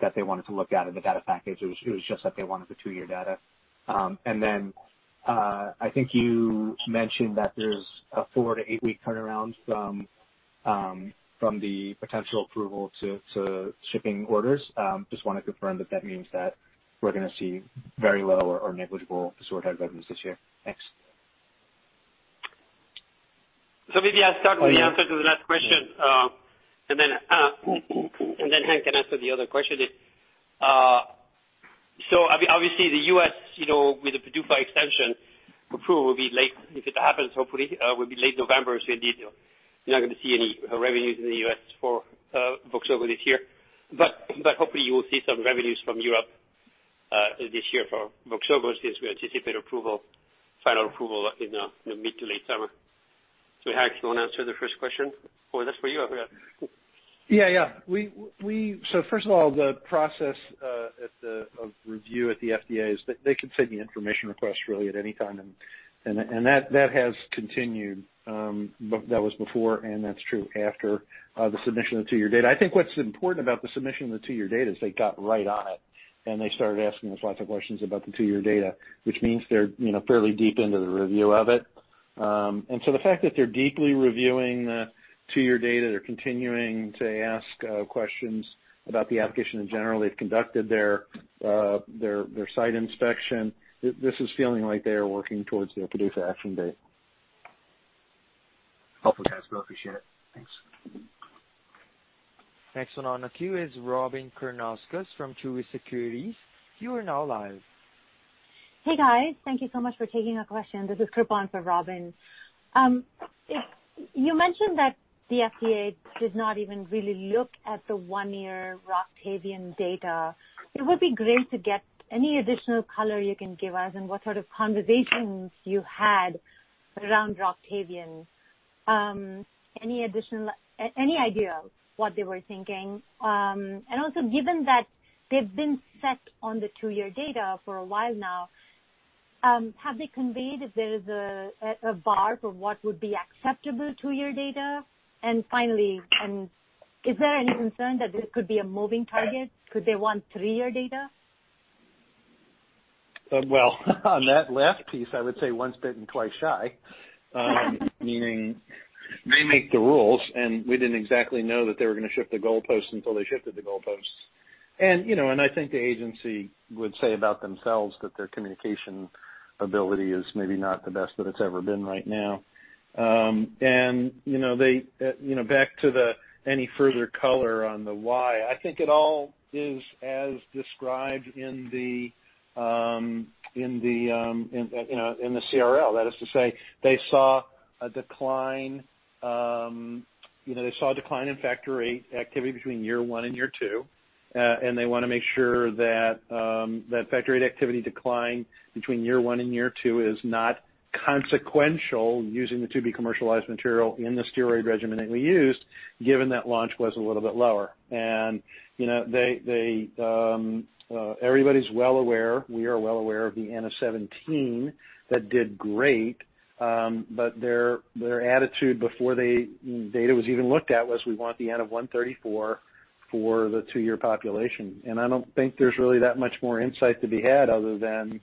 that they wanted to look at in the data package. It was just that they wanted the two-year data. And then I think you mentioned that there's a four to eight-week turnaround from the potential approval to shipping orders. Just want to confirm that that means that we're going to see very low or negligible vosoritide revenues this year. Thanks. So maybe I'll start with the answer to the last question. And then Hank can answer the other question. So obviously, the U.S. with the PDUFA extension approval will be late. If it happens, hopefully, it will be late November. So indeed, we're not going to see any revenues in the US for Voxzogo this year. But hopefully, you will see some revenues from Europe this year for Voxzogo since we anticipate final approval in the mid to late summer. So Hank, do you want to answer the first question? Or is that for you? Yeah, yeah. So first of all, the process of review at the FDA is they can send the information requests really at any time. And that has continued. That was before, and that's true after the submission of the two-year data. I think what's important about the submission of the two-year data is they got right on it. And they started asking a lot of questions about the two-year data, which means they're fairly deep into the review of it. And so the fact that they're deeply reviewing the two-year data, they're continuing to ask questions about the application in general. They've conducted their site inspection. This is feeling like they are working towards their PDUFA action date. Helpful guys. Really appreciate it. Thanks. Next one on the queue is Robyn Karnauskas from Truist Securities. You are now live. Hey, guys. Thank you so much for taking our questions. This is Kripa on for Robyn. You mentioned that the FDA did not even really look at the one-year Roctavian data. It would be great to get any additional color you can give us and what sort of conversations you had around Roctavian. Any idea of what they were thinking? And also, given that they've been set on the two-year data for a while now, have they conveyed if there is a bar for what would be acceptable two-year data? And finally, is there any concern that there could be a moving target? Could they want three-year data? On that last piece, I would say one's getting quite shy, meaning they make the rules, and we didn't exactly know that they were going to shift the goalposts until they shifted the goalposts, and I think the agency would say about themselves that their communication ability is maybe not the best that it's ever been right now, and back to any further color on the why, I think it all is as described in the CRL. That is to say, they saw a decline. They saw a decline in Factor VIII activity between year one and year two, and they want to make sure that Factor VIII activity decline between year one and year two is not consequential using the to-be commercialized material in the steroid regimen that we used, given that launch was a little bit lower, and everybody's well aware. We are well aware of the N=17 that did great. But their attitude before the data was even looked at was, "We want the N=134 for the two-year population." And I don't think there's really that much more insight to be had other than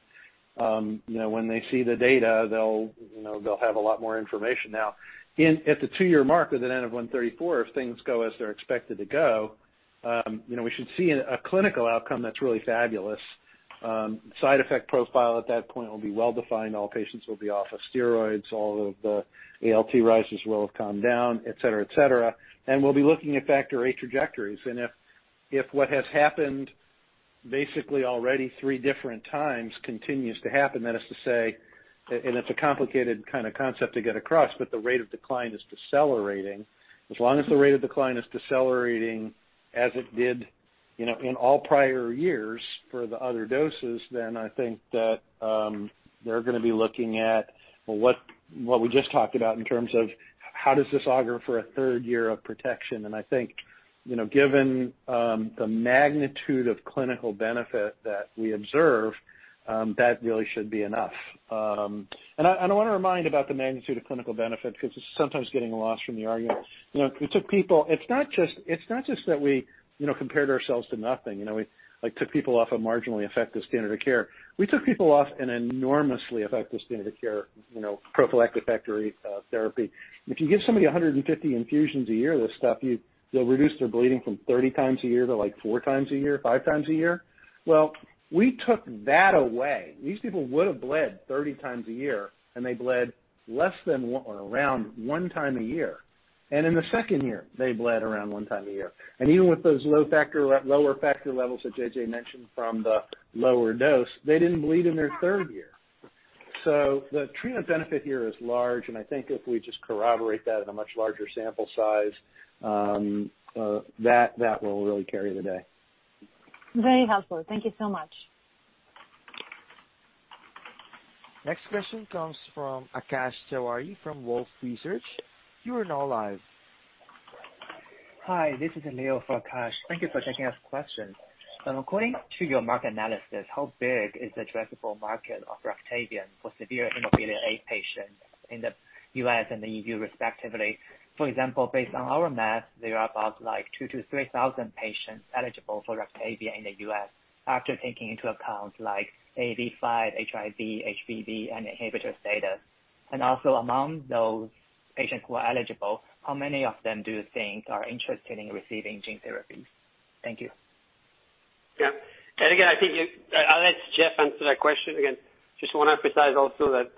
when they see the data, they'll have a lot more information. Now, at the two-year mark with an N=134, if things go as they're expected to go, we should see a clinical outcome that's really fabulous. Side effect profile at that point will be well defined. All patients will be off of steroids. All of the ALT rises will have calmed down, etc., etc. And we'll be looking at Factor VIII trajectories. And if what has happened basically already three different times continues to happen, that is to say, and it's a complicated kind of concept to get across, but the rate of decline is decelerating. As long as the rate of decline is decelerating as it did in all prior years for the other doses, then I think that they're going to be looking at what we just talked about in terms of how does this augur for a third year of protection. And I want to remind about the magnitude of clinical benefit because it's sometimes getting lost from the argument. It took people. It's not just that we compared ourselves to nothing. We took people off a marginally effective standard of care. We took people off an enormously effective standard of care prophylactic Factor VIII therapy. If you give somebody 150 infusions a year of this stuff, they'll reduce their bleeding from 30 times a year to like four times a year, five times a year. We took that away. These people would have bled 30 times a year, and they bled less than or around one time a year. In the second year, they bled around one time a year. Even with those lower factor levels that J.J. mentioned from the lower dose, they didn't bleed in their third year. The treatment benefit here is large. I think if we just corroborate that in a much larger sample size, that will really carry the day. Very helpful. Thank you so much. Next question comes from Akash Tewari from Wolfe Research. You are now live. Hi. This is Neil for Akash. Thank you for taking our question. According to your market analysis, how big is the addressable market of Roctavian for severe hemophilia A patients in the U.S. and the EU respectively? For example, based on our math, there are about like 2,000-3,000 patients eligible for Roctavian in the U.S. after taking into account like AAV5, HIV, HBV, and inhibitor status. And also, among those patients who are eligible, how many of them do you think are interested in receiving gene therapies? Thank you. Yeah. And again, I think unless Jeff answered that question again, just want to emphasize also that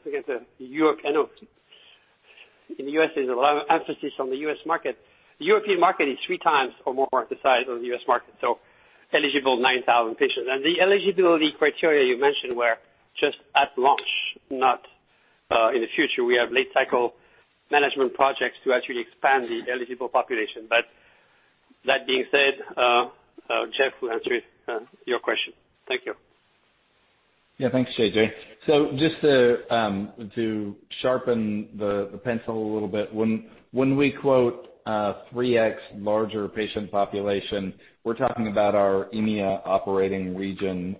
in the U.S., there's a lot of emphasis on the U.S. market. The European market is three times or more the size of the U.S. market. So eligible 9,000 patients. And the eligibility criteria you mentioned were just at launch, not in the future. We have late-cycle management projects to actually expand the eligible population. But that being said, Jeff, we'll answer your question. Thank you. Yeah, thanks, JJ. So just to sharpen the pencil a little bit, when we quote 3X larger patient population, we're talking about our EMEA operating region,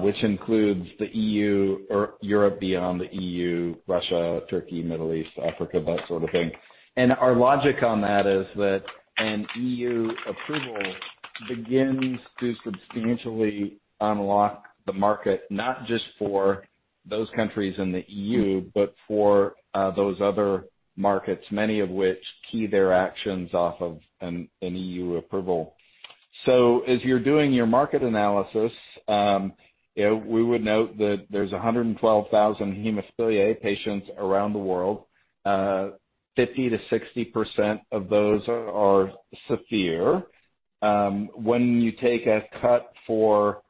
which includes the EU or Europe beyond the EU, Russia, Turkey, Middle East, Africa, that sort of thing. And our logic on that is that an EU approval begins to substantially unlock the market, not just for those countries in the EU, but for those other markets, many of which key their actions off of an EU approval. So as you're doing your market analysis, we would note that there's 112,000 hemophilia A patients around the world. 50%-60% of those are severe. When you take a cut for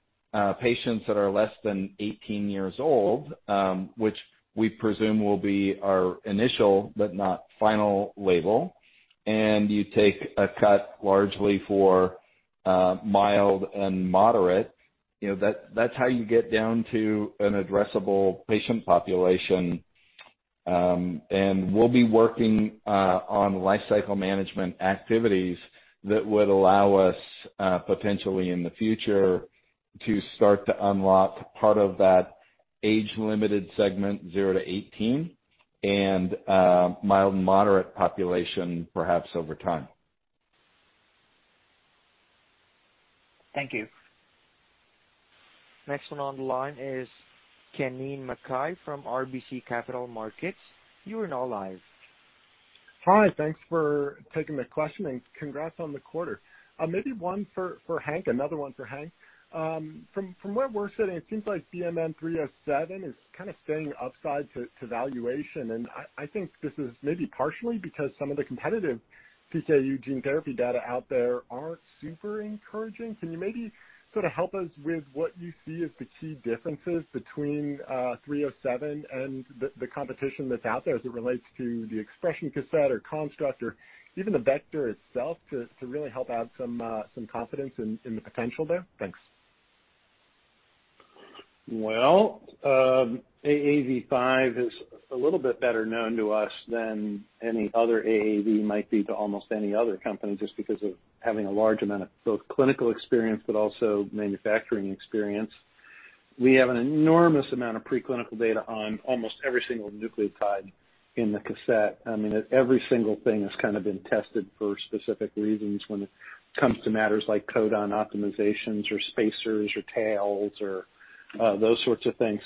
patients that are less than 18 years old, which we presume will be our initial but not final label, and you take a cut largely for mild and moderate, that's how you get down to an addressable patient population, and we'll be working on lifecycle management activities that would allow us potentially in the future to start to unlock part of that age-limited segment, 0-18, and mild and moderate population, perhaps over time. Thank you. Next one on the line is Kennen MacKay from RBC Capital Markets. You are now live. Hi. Thanks for taking the question. And congrats on the quarter. Maybe one for Hank, another one for Hank. From where we're sitting, it seems like BMN 307 is kind of staying upside to valuation. And I think this is maybe partially because some of the competitive PKU gene therapy data out there aren't super encouraging. Can you maybe sort of help us with what you see as the key differences between 307 and the competition that's out there as it relates to the expression cassette or construct or even the vector itself to really help add some confidence in the potential there? Thanks. AAV5 is a little bit better known to us than any other AAV might be to almost any other company just because of having a large amount of both clinical experience but also manufacturing experience. We have an enormous amount of preclinical data on almost every single nucleotide in the cassette. I mean, every single thing has kind of been tested for specific reasons when it comes to matters like codon optimizations or spacers or tails or those sorts of things.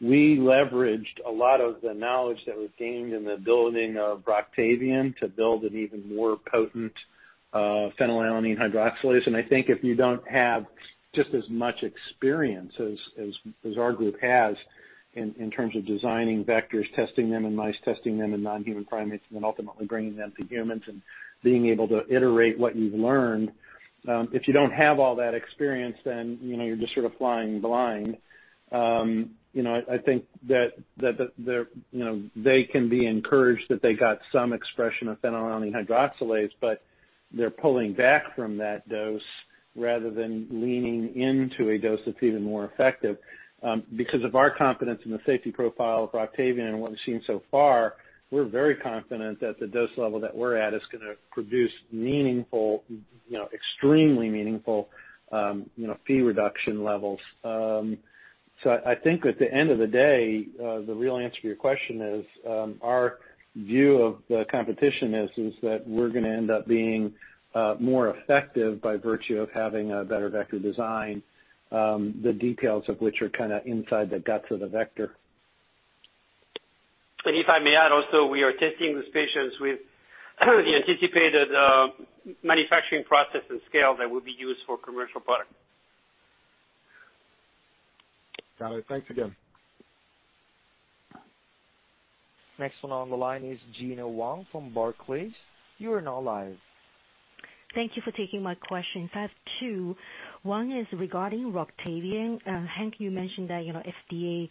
We leveraged a lot of the knowledge that was gained in the building of Roctavian to build an even more potent phenylalanine hydroxylase. I think if you don't have just as much experience as our group has in terms of designing vectors, testing them in mice, testing them in non-human primates, and then ultimately bringing them to humans and being able to iterate what you've learned, if you don't have all that experience, then you're just sort of flying blind. I think that they can be encouraged that they got some expression of phenylalanine hydroxylase, but they're pulling back from that dose rather than leaning into a dose that's even more effective. Because of our confidence in the safety profile of Roctavian and what we've seen so far, we're very confident that the dose level that we're at is going to produce extremely meaningful Phe reduction levels. So I think at the end of the day, the real answer to your question is our view of the competition is that we're going to end up being more effective by virtue of having a better vector design, the details of which are kind of inside the guts of the vector. If I may add also, we are testing these patients with the anticipated manufacturing process and scale that will be used for commercial products. Got it. Thanks again. Next one on the line is Gena Wang from Barclays. You are now live. Thank you for taking my questions. I have two. One is regarding Roctavian. Hank, you mentioned that FDA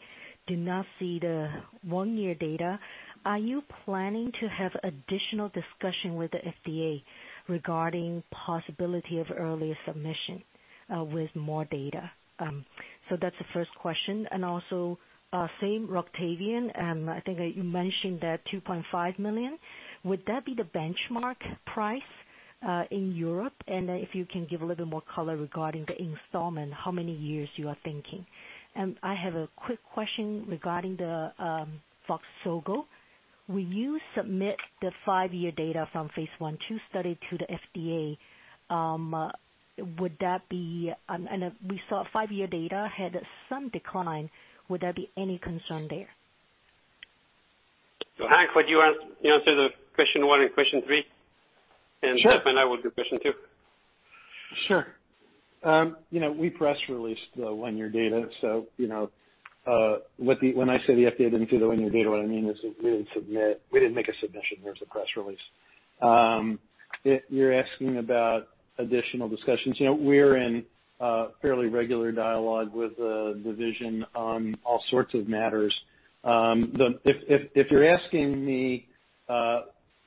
did not see the one-year data. Are you planning to have additional discussion with the FDA regarding the possibility of early submission with more data? So that's the first question. And also, same Roctavian, I think you mentioned that 2.5 million. Would that be the benchmark price in Europe? And if you can give a little bit more color regarding the installment, how many years you are thinking? And I have a quick question regarding the Voxzogo. When you submit the five-year data from phase I/II study to the FDA, would that be—and we saw five-year data had some decline—would there be any concern there? Hank, would you answer the question one and question three? And if not, I will do question two. Sure. We press released the one-year data. So when I say the FDA didn't do the one-year data, what I mean is we didn't submit. We didn't make a submission. There was a press release. You're asking about additional discussions. We're in fairly regular dialogue with the division on all sorts of matters. If you're asking me,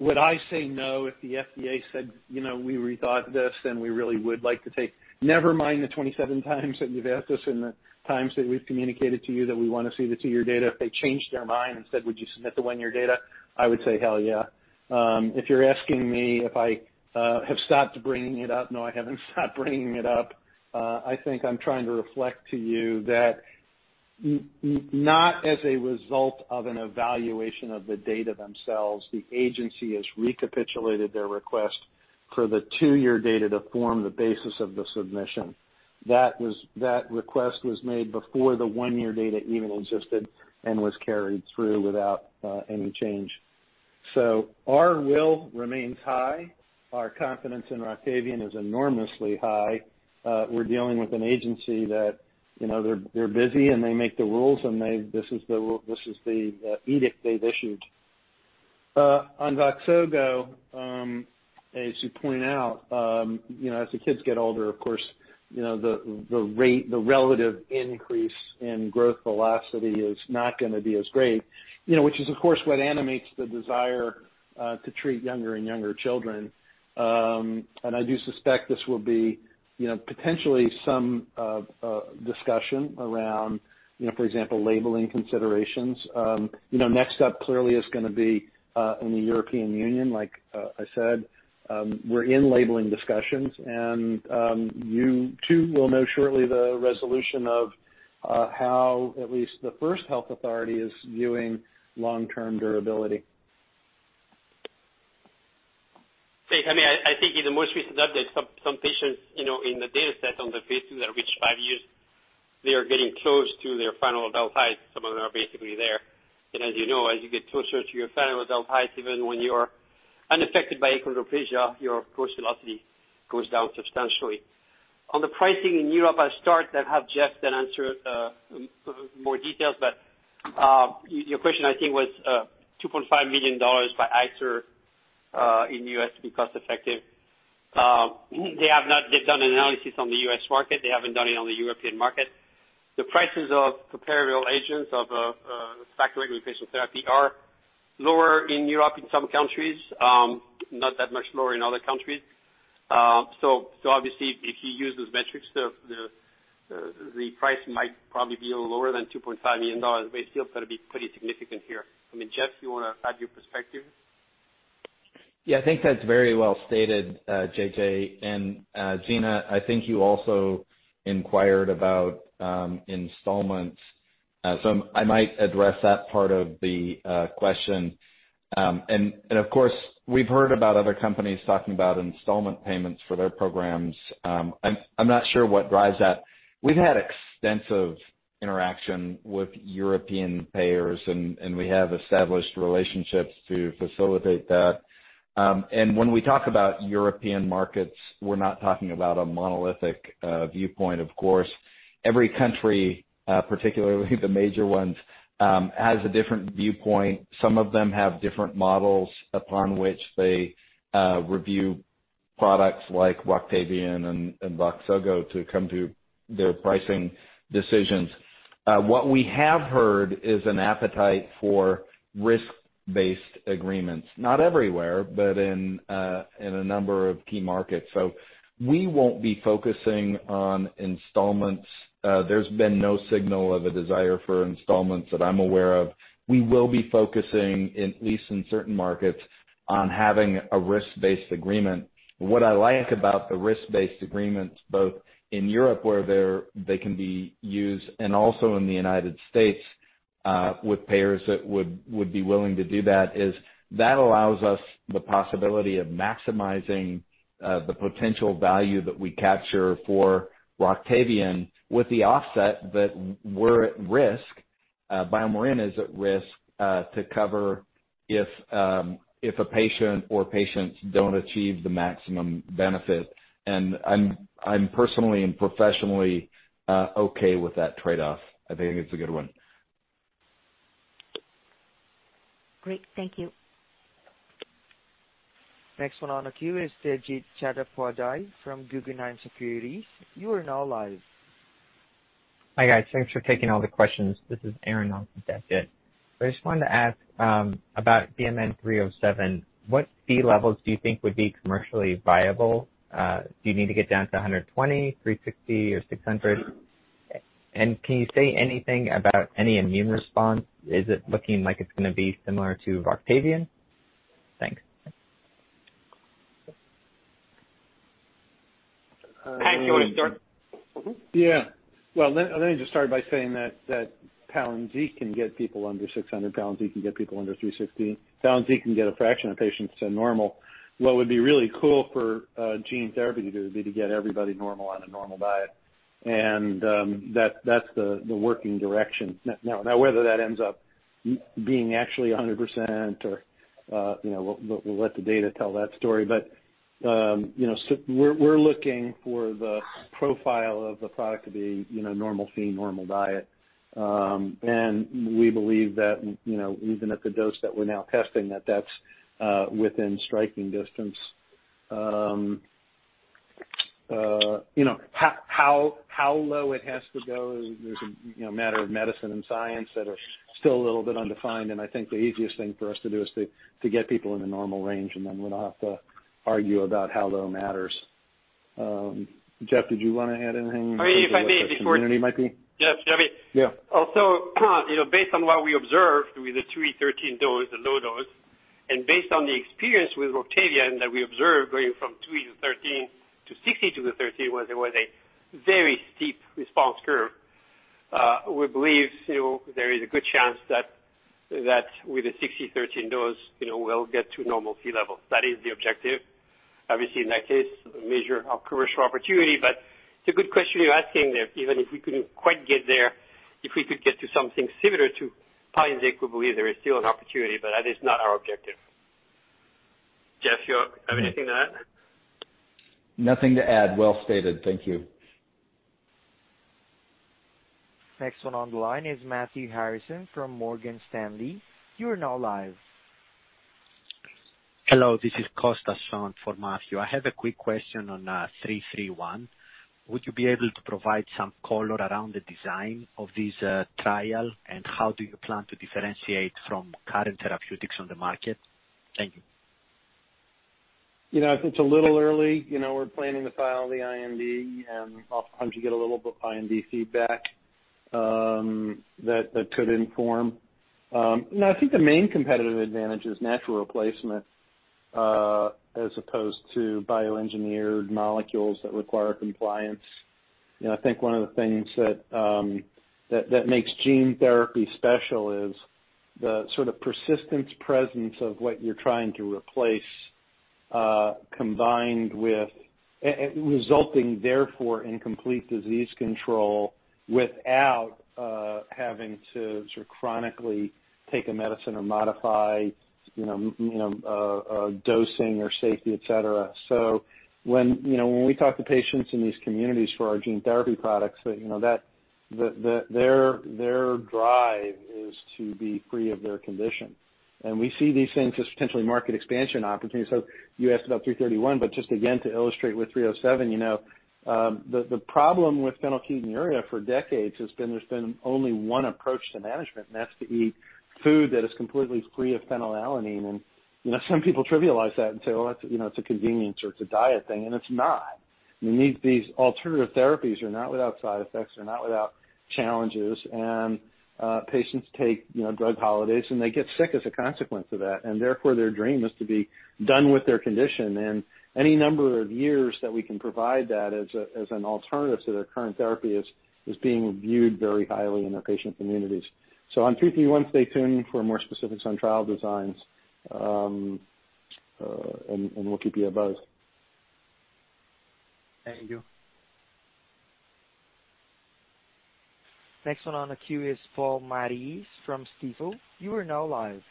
would I say no if the FDA said, "We rethought this, and we really would like to take" - never mind the 27 times that you've asked us and the times that we've communicated to you that we want to see the two-year data. If they changed their mind and said, "Would you submit the one-year data?" I would say, "Hell, yeah." If you're asking me if I have stopped bringing it up, no, I haven't stopped bringing it up. I think I'm trying to reflect to you that not as a result of an evaluation of the data themselves, the agency has recapitulated their request for the two-year data to form the basis of the submission. That request was made before the one-year data even existed and was carried through without any change. So our will remains high. Our confidence in Roctavian is enormously high. We're dealing with an agency that they're busy, and they make the rules, and this is the edict they've issued. On Voxzogo, as you point out, as the kids get older, of course, the relative increase in growth velocity is not going to be as great, which is, of course, what animates the desire to treat younger and younger children. And I do suspect this will be potentially some discussion around, for example, labeling considerations. Next up clearly is going to be in the European Union. Like I said, we're in labeling discussions. And you too will know shortly the resolution of how at least the first health authority is viewing long-term durability. I mean, I think in the most recent updates, some patients in the data set on the phase II that reached five years, they are getting close to their final adult height. Some of them are basically there. And as you know, as you get closer to your final adult height, even when you're unaffected by achondroplasia, your growth velocity goes down substantially. On the pricing in Europe, I'll start and have Jeff then answer more details. But your question, I think, was $2.5 million by ICER in the U.S. to be cost-effective. They have not done an analysis on the U.S. market. They haven't done it on the European market. The prices of comparable agents of Factor VIII gene therapy are lower in Europe in some countries, not that much lower in other countries. So obviously, if you use those metrics, the price might probably be a little lower than $2.5 million. But it's still going to be pretty significant here. I mean, Jeff, you want to add your perspective? Yeah, I think that's very well stated, JJ. And Gena, I think you also inquired about installments. So I might address that part of the question. And of course, we've heard about other companies talking about installment payments for their programs. I'm not sure what drives that. We've had extensive interaction with European payers, and we have established relationships to facilitate that. And when we talk about European markets, we're not talking about a monolithic viewpoint, of course. Every country, particularly the major ones, has a different viewpoint. Some of them have different models upon which they review products like Roctavian and Voxzogo to come to their pricing decisions. What we have heard is an appetite for risk-based agreements. Not everywhere, but in a number of key markets. So we won't be focusing on installments. There's been no signal of a desire for installments that I'm aware of. We will be focusing, at least in certain markets, on having a risk-based agreement. What I like about the risk-based agreements, both in Europe where they can be used and also in the U.S. with payers that would be willing to do that, is that allows us the possibility of maximizing the potential value that we capture for Roctavian with the offset that we're at risk. BioMarin is at risk to cover if a patient or patients don't achieve the maximum benefit. And I'm personally and professionally okay with that trade-off. I think it's a good one. Great. Thank you. Next one on the queue is Debjit Chattopadhyay from Guggenheim Securities. You are now live. Hi guys. Thanks for taking all the questions. This is Aaron on for Debjit. I just wanted to ask about BMN 307. What Phe levels do you think would be commercially viable? Do you need to get down to 120, 360, or 600? And can you say anything about any immune response? Is it looking like it's going to be similar to Roctavian? Thanks. Hank, do you want to start? Yeah. Well, let me just start by saying that Phe can get people under 600. Phe can get people under 360. Phe can get a fraction of patients to normal. What would be really cool for gene therapy to do would be to get everybody normal on a normal diet. And that's the working direction. Now, whether that ends up being actually 100% or we'll let the data tell that story. But we're looking for the profile of the product to be normal Phe, normal diet. And we believe that even at the dose that we're now testing, that that's within striking distance. How low it has to go is a matter of medicine and science that are still a little bit undefined. I think the easiest thing for us to do is to get people in the normal range, and then we don't have to argue about how low matters. Jeff, did you want to add anything? Or, if I may, before. Yes? Yeah. So based on what we observed with the 2e13 dose, the low dose, and based on the experience with Roctavian that we observed going from 2e13 to 6e13, where there was a very steep response curve, we believe there is a good chance that with the 6e13 dose, we'll get to normal FVIII levels. That is the objective. Obviously, in that case, measure our commercial opportunity. But it's a good question you're asking there. Even if we couldn't quite get there, if we could get to something similar to FVIII, we believe there is still an opportunity, but that is not our objective. Jeff, do you have anything to add? Nothing to add. Well stated. Thank you. Next one on the line is Matthew Harrison from Morgan Stanley. You are now live. Hello, this is Kostas on for Matthew. I have a quick question on 331. Would you be able to provide some color around the design of this trial, and how do you plan to differentiate from current therapeutics on the market? Thank you. It's a little early. We're planning to file the IND, and oftentimes you get a little bit of IND feedback that could inform. I think the main competitive advantage is natural replacement as opposed to bioengineered molecules that require compliance. I think one of the things that makes gene therapy special is the sort of persistent presence of what you're trying to replace, combined with resulting therefore in complete disease control without having to chronically take a medicine or modify dosing or safety, etc., so when we talk to patients in these communities for our gene therapy products, their drive is to be free of their condition, and we see these things as potentially market expansion opportunities. So you asked about 331, but just again to illustrate with 307, the problem with phenylketonuria for decades has been there's been only one approach to management, and that's to eat food that is completely free of phenylalanine. And some people trivialize that and say, "Well, it's a convenience or it's a diet thing." And it's not. I mean, these alternative therapies are not without side effects. They're not without challenges. And patients take drug holidays, and they get sick as a consequence of that. And therefore, their dream is to be done with their condition. And any number of years that we can provide that as an alternative to their current therapy is being viewed very highly in our patient communities. So on 331, stay tuned for more specifics on trial designs, and we'll keep you abuzz. Thank you. Next one on the queue is Paul Matteis from Stifel. You are now live.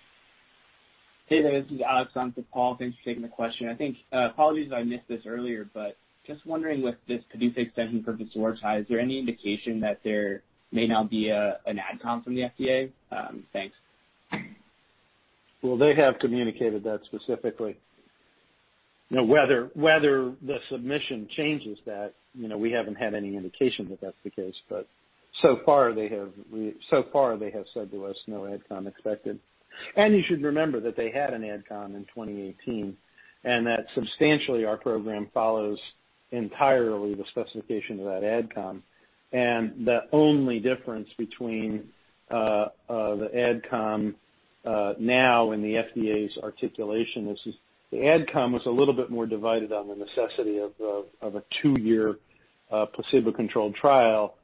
Hey there. This is Alex on the call. Thanks for taking the question. I think apologies if I missed this earlier, but just wondering with this PDUFA extension for Roctavian, is there any indication that there may now be an AdCom from the FDA? Thanks. They have communicated that specifically. Whether the submission changes that, we haven't had any indication that that's the case. But so far, they have said to us, "No AdCom expected." And you should remember that they had an AdCom in 2018, and that substantially our program follows entirely the specification of that AdCom. And the only difference between the AdCom now and the FDA's articulation is the AdCom was a little bit more divided on the necessity of a two-year placebo-controlled trial,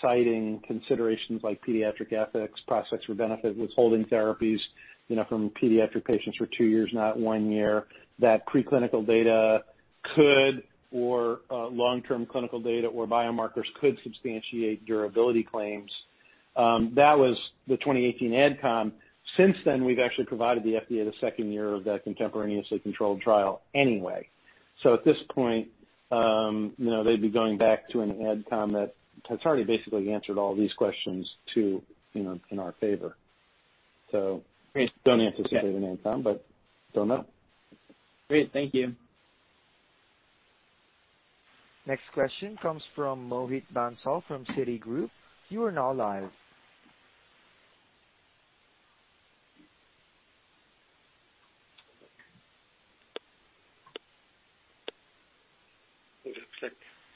citing considerations like pediatric ethics, prospects for benefit, withholding therapies from pediatric patients for two years, not one year. That preclinical data could, or long-term clinical data or biomarkers could substantiate durability claims. That was the 2018 AdCom. Since then, we've actually provided the FDA the second year of that contemporaneously controlled trial anyway. So at this point, they'd be going back to an AdCom that has already basically answered all these questions too in our favor. So don't anticipate an AdCom, but don't know. Great. Thank you. Next question comes from Mohit Bansal from Citigroup. You are now live.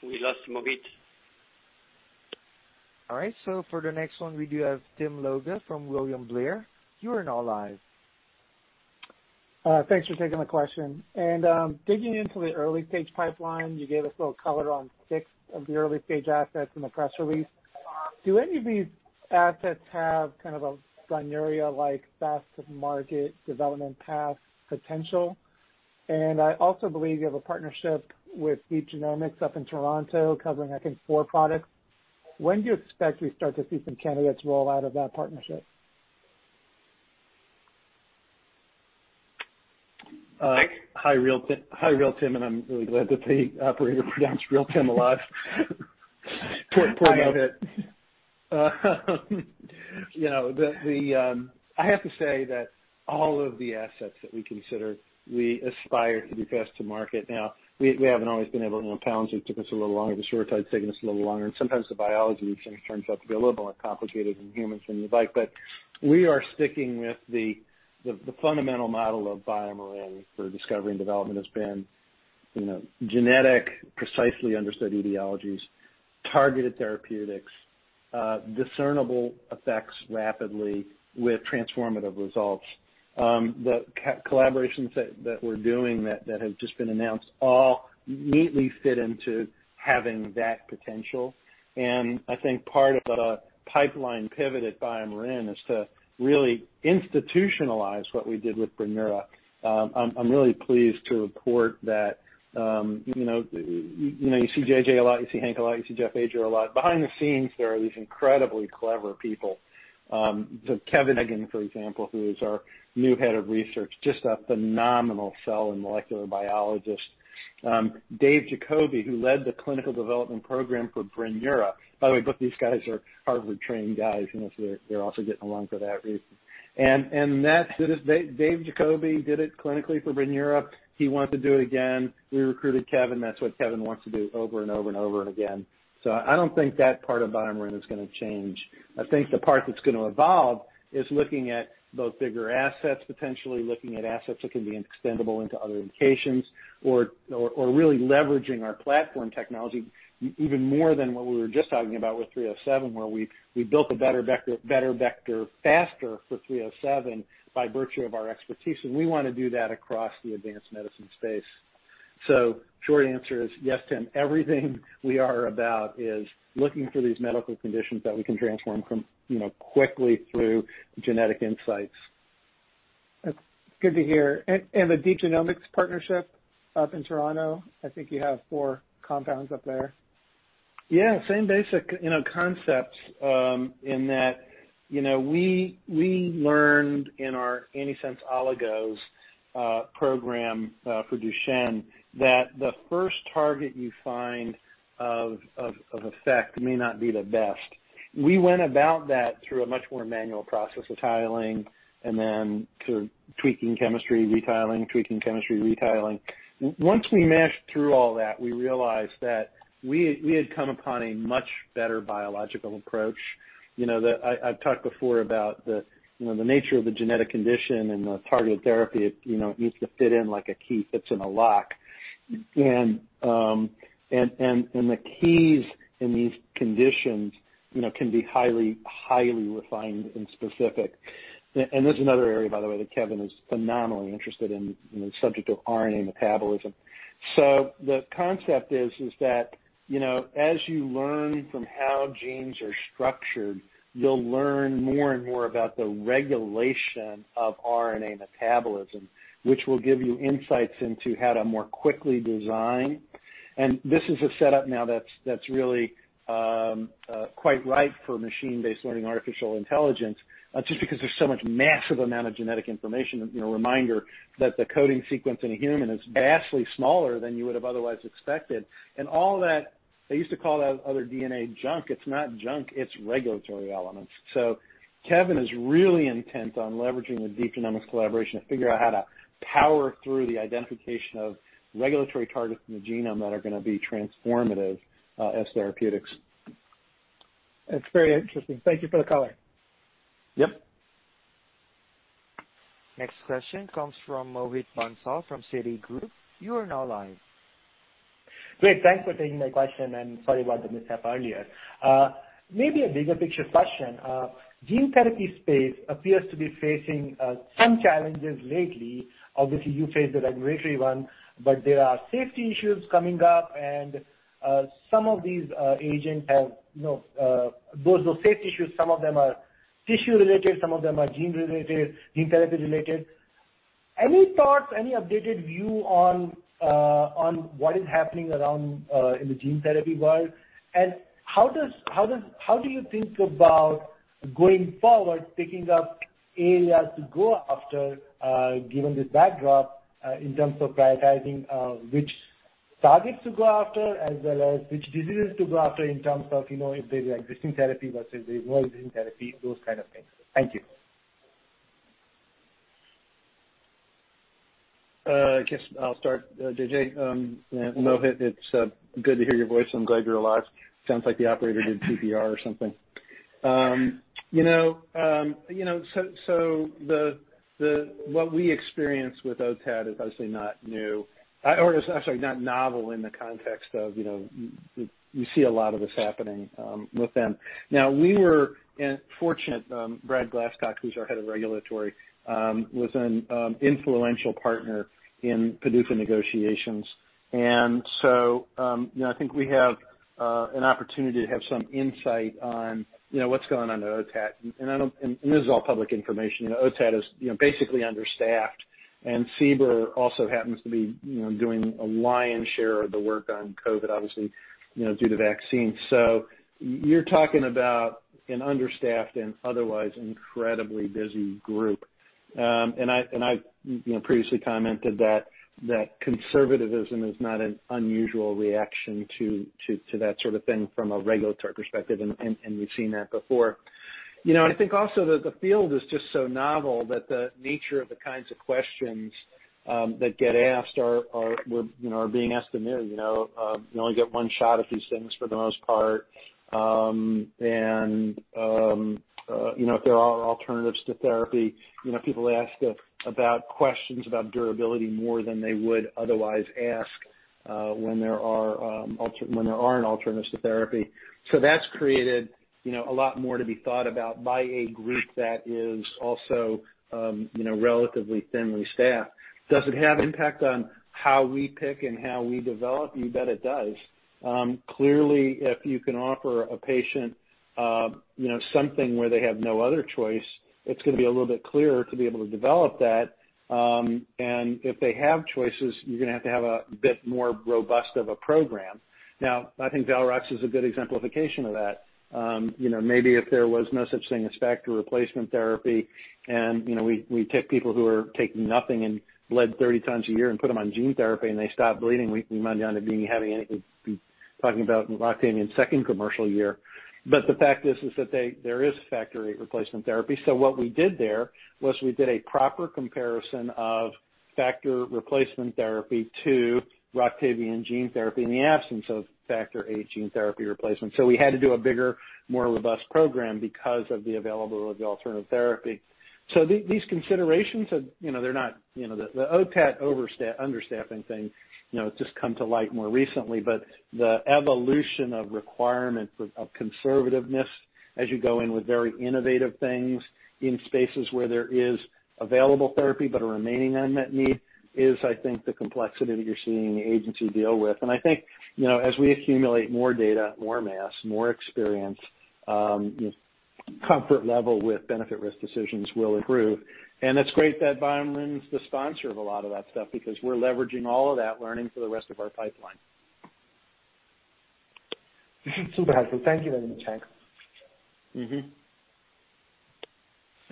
We lost Mohit. All right. So for the next one, we do have Tim Lugo from William Blair. You are now live. Thanks for taking the question. And digging into the early-stage pipeline, you gave us a little color on six of the early-stage assets in the press release. Do any of these assets have kind of a Brineura-like fast-to-market development path potential? And I also believe you have a partnership with Deep Genomics up in Toronto covering, I think, four products. When do you expect we start to see some candidates roll out of that partnership? Hi, real Tim. And I'm really glad that the operator pronounced BioMarin right. Poor guy did. I have to say that all of the assets that we consider, we aspire to be fast-to-market. Now, we haven't always been able to. Vimizim took us a little longer. Voxzogo has taken us a little longer. And sometimes the biology of these things turns out to be a little more complicated in humans than you'd like. But we are sticking with the fundamental model of BioMarin for discovery and development has been genetic, precisely understood etiologies, targeted therapeutics, discernible effects rapidly with transformative results. The collaborations that we're doing that have just been announced all neatly fit into having that potential. I think part of the pipeline pivot at BioMarin is to really institutionalize what we did with Brineura. I'm really pleased to report that you see J.J. a lot. You see Hank a lot. You see Jeff Ajer a lot. Behind the scenes, there are these incredibly clever people. So Kevin Eggan, for example, who is our new head of research, just a phenomenal cell and molecular biologist. Dave Jacobi, who led the clinical development program for Brineura. By the way, both these guys are Harvard-trained guys, so they're also getting along for that reason. And that Dave Jacobi did it clinically for Brineura. He wanted to do it again. We recruited Kevin. That's what Kevin wants to do over and over and over and again. So I don't think that part of BioMarin is going to change. I think the part that's going to evolve is looking at both bigger assets, potentially looking at assets that can be extendable into other locations, or really leveraging our platform technology even more than what we were just talking about with 307, where we built a better vector faster for 307 by virtue of our expertise. And we want to do that across the advanced medicine space. So short answer is yes, Tim. Everything we are about is looking for these medical conditions that we can transform quickly through genetic insights. Good to hear. And the Deep Genomics partnership up in Toronto, I think you have four compounds up there. Yeah. Same basic concepts in that we learned in our antisense oligos program for Duchenne that the first target you find of effect may not be the best. We went about that through a much more manual process of tiling and then sort of tweaking chemistry, retiling, tweaking chemistry, retiling. Once we mashed through all that, we realized that we had come upon a much better biological approach. I've talked before about the nature of the genetic condition and the targeted therapy. It needs to fit in like a key fits in a lock. And the keys in these conditions can be highly, highly refined and specific. And this is another area, by the way, that Kevin is phenomenally interested in, subject to RNA metabolism. The concept is that as you learn from how genes are structured, you'll learn more and more about the regulation of RNA metabolism, which will give you insights into how to more quickly design. And this is a setup now that's really quite right for machine-based learning, artificial intelligence, just because there's so much massive amount of genetic information. Reminder that the coding sequence in a human is vastly smaller than you would have otherwise expected. And all that, they used to call that other DNA junk. It's not junk. It's regulatory elements. So Kevin is really intent on leveraging the Deep Genomics collaboration to figure out how to power through the identification of regulatory targets in the genome that are going to be transformative as therapeutics. That's very interesting. Thank you for the color. Yep. Next question comes from Mohit Bansal from Citigroup. You are now live. Great. Thanks for taking my question and sorry about the mishap earlier. Maybe a bigger picture question. Gene therapy space appears to be facing some challenges lately. Obviously, you faced the regulatory one, but there are safety issues coming up, and some of these agents have both those safety issues. Some of them are tissue-related. Some of them are gene-related, gene therapy-related. Any thoughts, any updated view on what is happening around in the gene therapy world? And how do you think about going forward, picking up areas to go after, given this backdrop, in terms of prioritizing which targets to go after, as well as which diseases to go after in terms of if there's existing therapy versus there's no existing therapy, those kind of things? Thank you. I guess I'll start, JJ. Mohit, it's good to hear your voice. I'm glad you're alive. Sounds like the operator did CPR or something, so what we experience with OTAT is obviously not new. I'm sorry, not novel in the context of we see a lot of this happening with them. Now, we were fortunate. Brad Glascock, who's our head of regulatory, was an influential partner in PDUFA negotiations, and so I think we have an opportunity to have some insight on what's going on in OTAT, and this is all public information. OTAT is basically understaffed, and CBER also happens to be doing a lion's share of the work on COVID, obviously, due to vaccines, so you're talking about an understaffed and otherwise incredibly busy group. I previously commented that conservatism is not an unusual reaction to that sort of thing from a regulatory perspective, and we've seen that before. I think also that the field is just so novel that the nature of the kinds of questions that get asked are being asked to me. You only get one shot at these things for the most part. If there are alternatives to therapy, people ask about questions about durability more than they would otherwise ask when there are alternatives to therapy. That's created a lot more to be thought about by a group that is also relatively thinly staffed. Does it have impact on how we pick and how we develop? You bet it does. Clearly, if you can offer a patient something where they have no other choice, it's going to be a little bit clearer to be able to develop that. And if they have choices, you're going to have to have a bit more robust of a program. Now, I think Valrox is a good exemplification of that. Maybe if there was no such thing as factor replacement therapy, and we take people who are taking nothing and bled 30 times a year and put them on gene therapy, and they stop bleeding, we might be talking about Roctavian second commercial year. But the fact is that there is Factor VIII replacement therapy. So what we did there was we did a proper comparison of factor replacement therapy to Roctavian gene therapy in the absence of Factor VIII gene therapy replacement. So we had to do a bigger, more robust program because of the availability of the alternative therapy. So these considerations, they're not the OTAT understaffing thing has just come to light more recently, but the evolution of requirement of conservativeness as you go in with very innovative things in spaces where there is available therapy but a remaining unmet need is, I think, the complexity that you're seeing the agency deal with. And I think as we accumulate more data, more mass, more experience, comfort level with benefit-risk decisions will improve. And it's great that BioMarin is the sponsor of a lot of that stuff because we're leveraging all of that learning for the rest of our pipeline. Super helpful. Thank you very much, Hank. If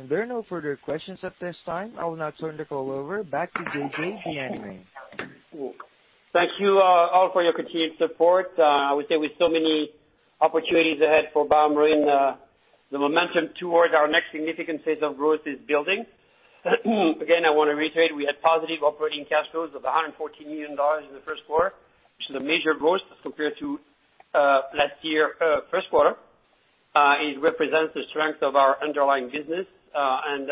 there are no further questions at this time, I will now turn the call over to J.J. Bienaimé. Thank you all for your continued support. I would say we have so many opportunities ahead for BioMarin. The momentum towards our next significant phase of growth is building. Again, I want to reiterate, we had positive operating cash flows of $114 million in the first quarter, which is a major growth compared to last year's first quarter. It represents the strength of our underlying business, and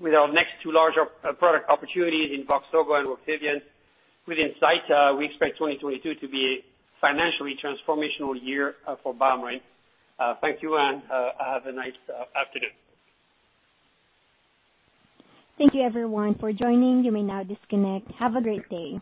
with our next two larger product opportunities in Voxzogo and Roctavian within sight, we expect 2022 to be a financially transformational year for BioMarin. Thank you, and have a nice afternoon. Thank you, everyone, for joining. You may now disconnect. Have a great day.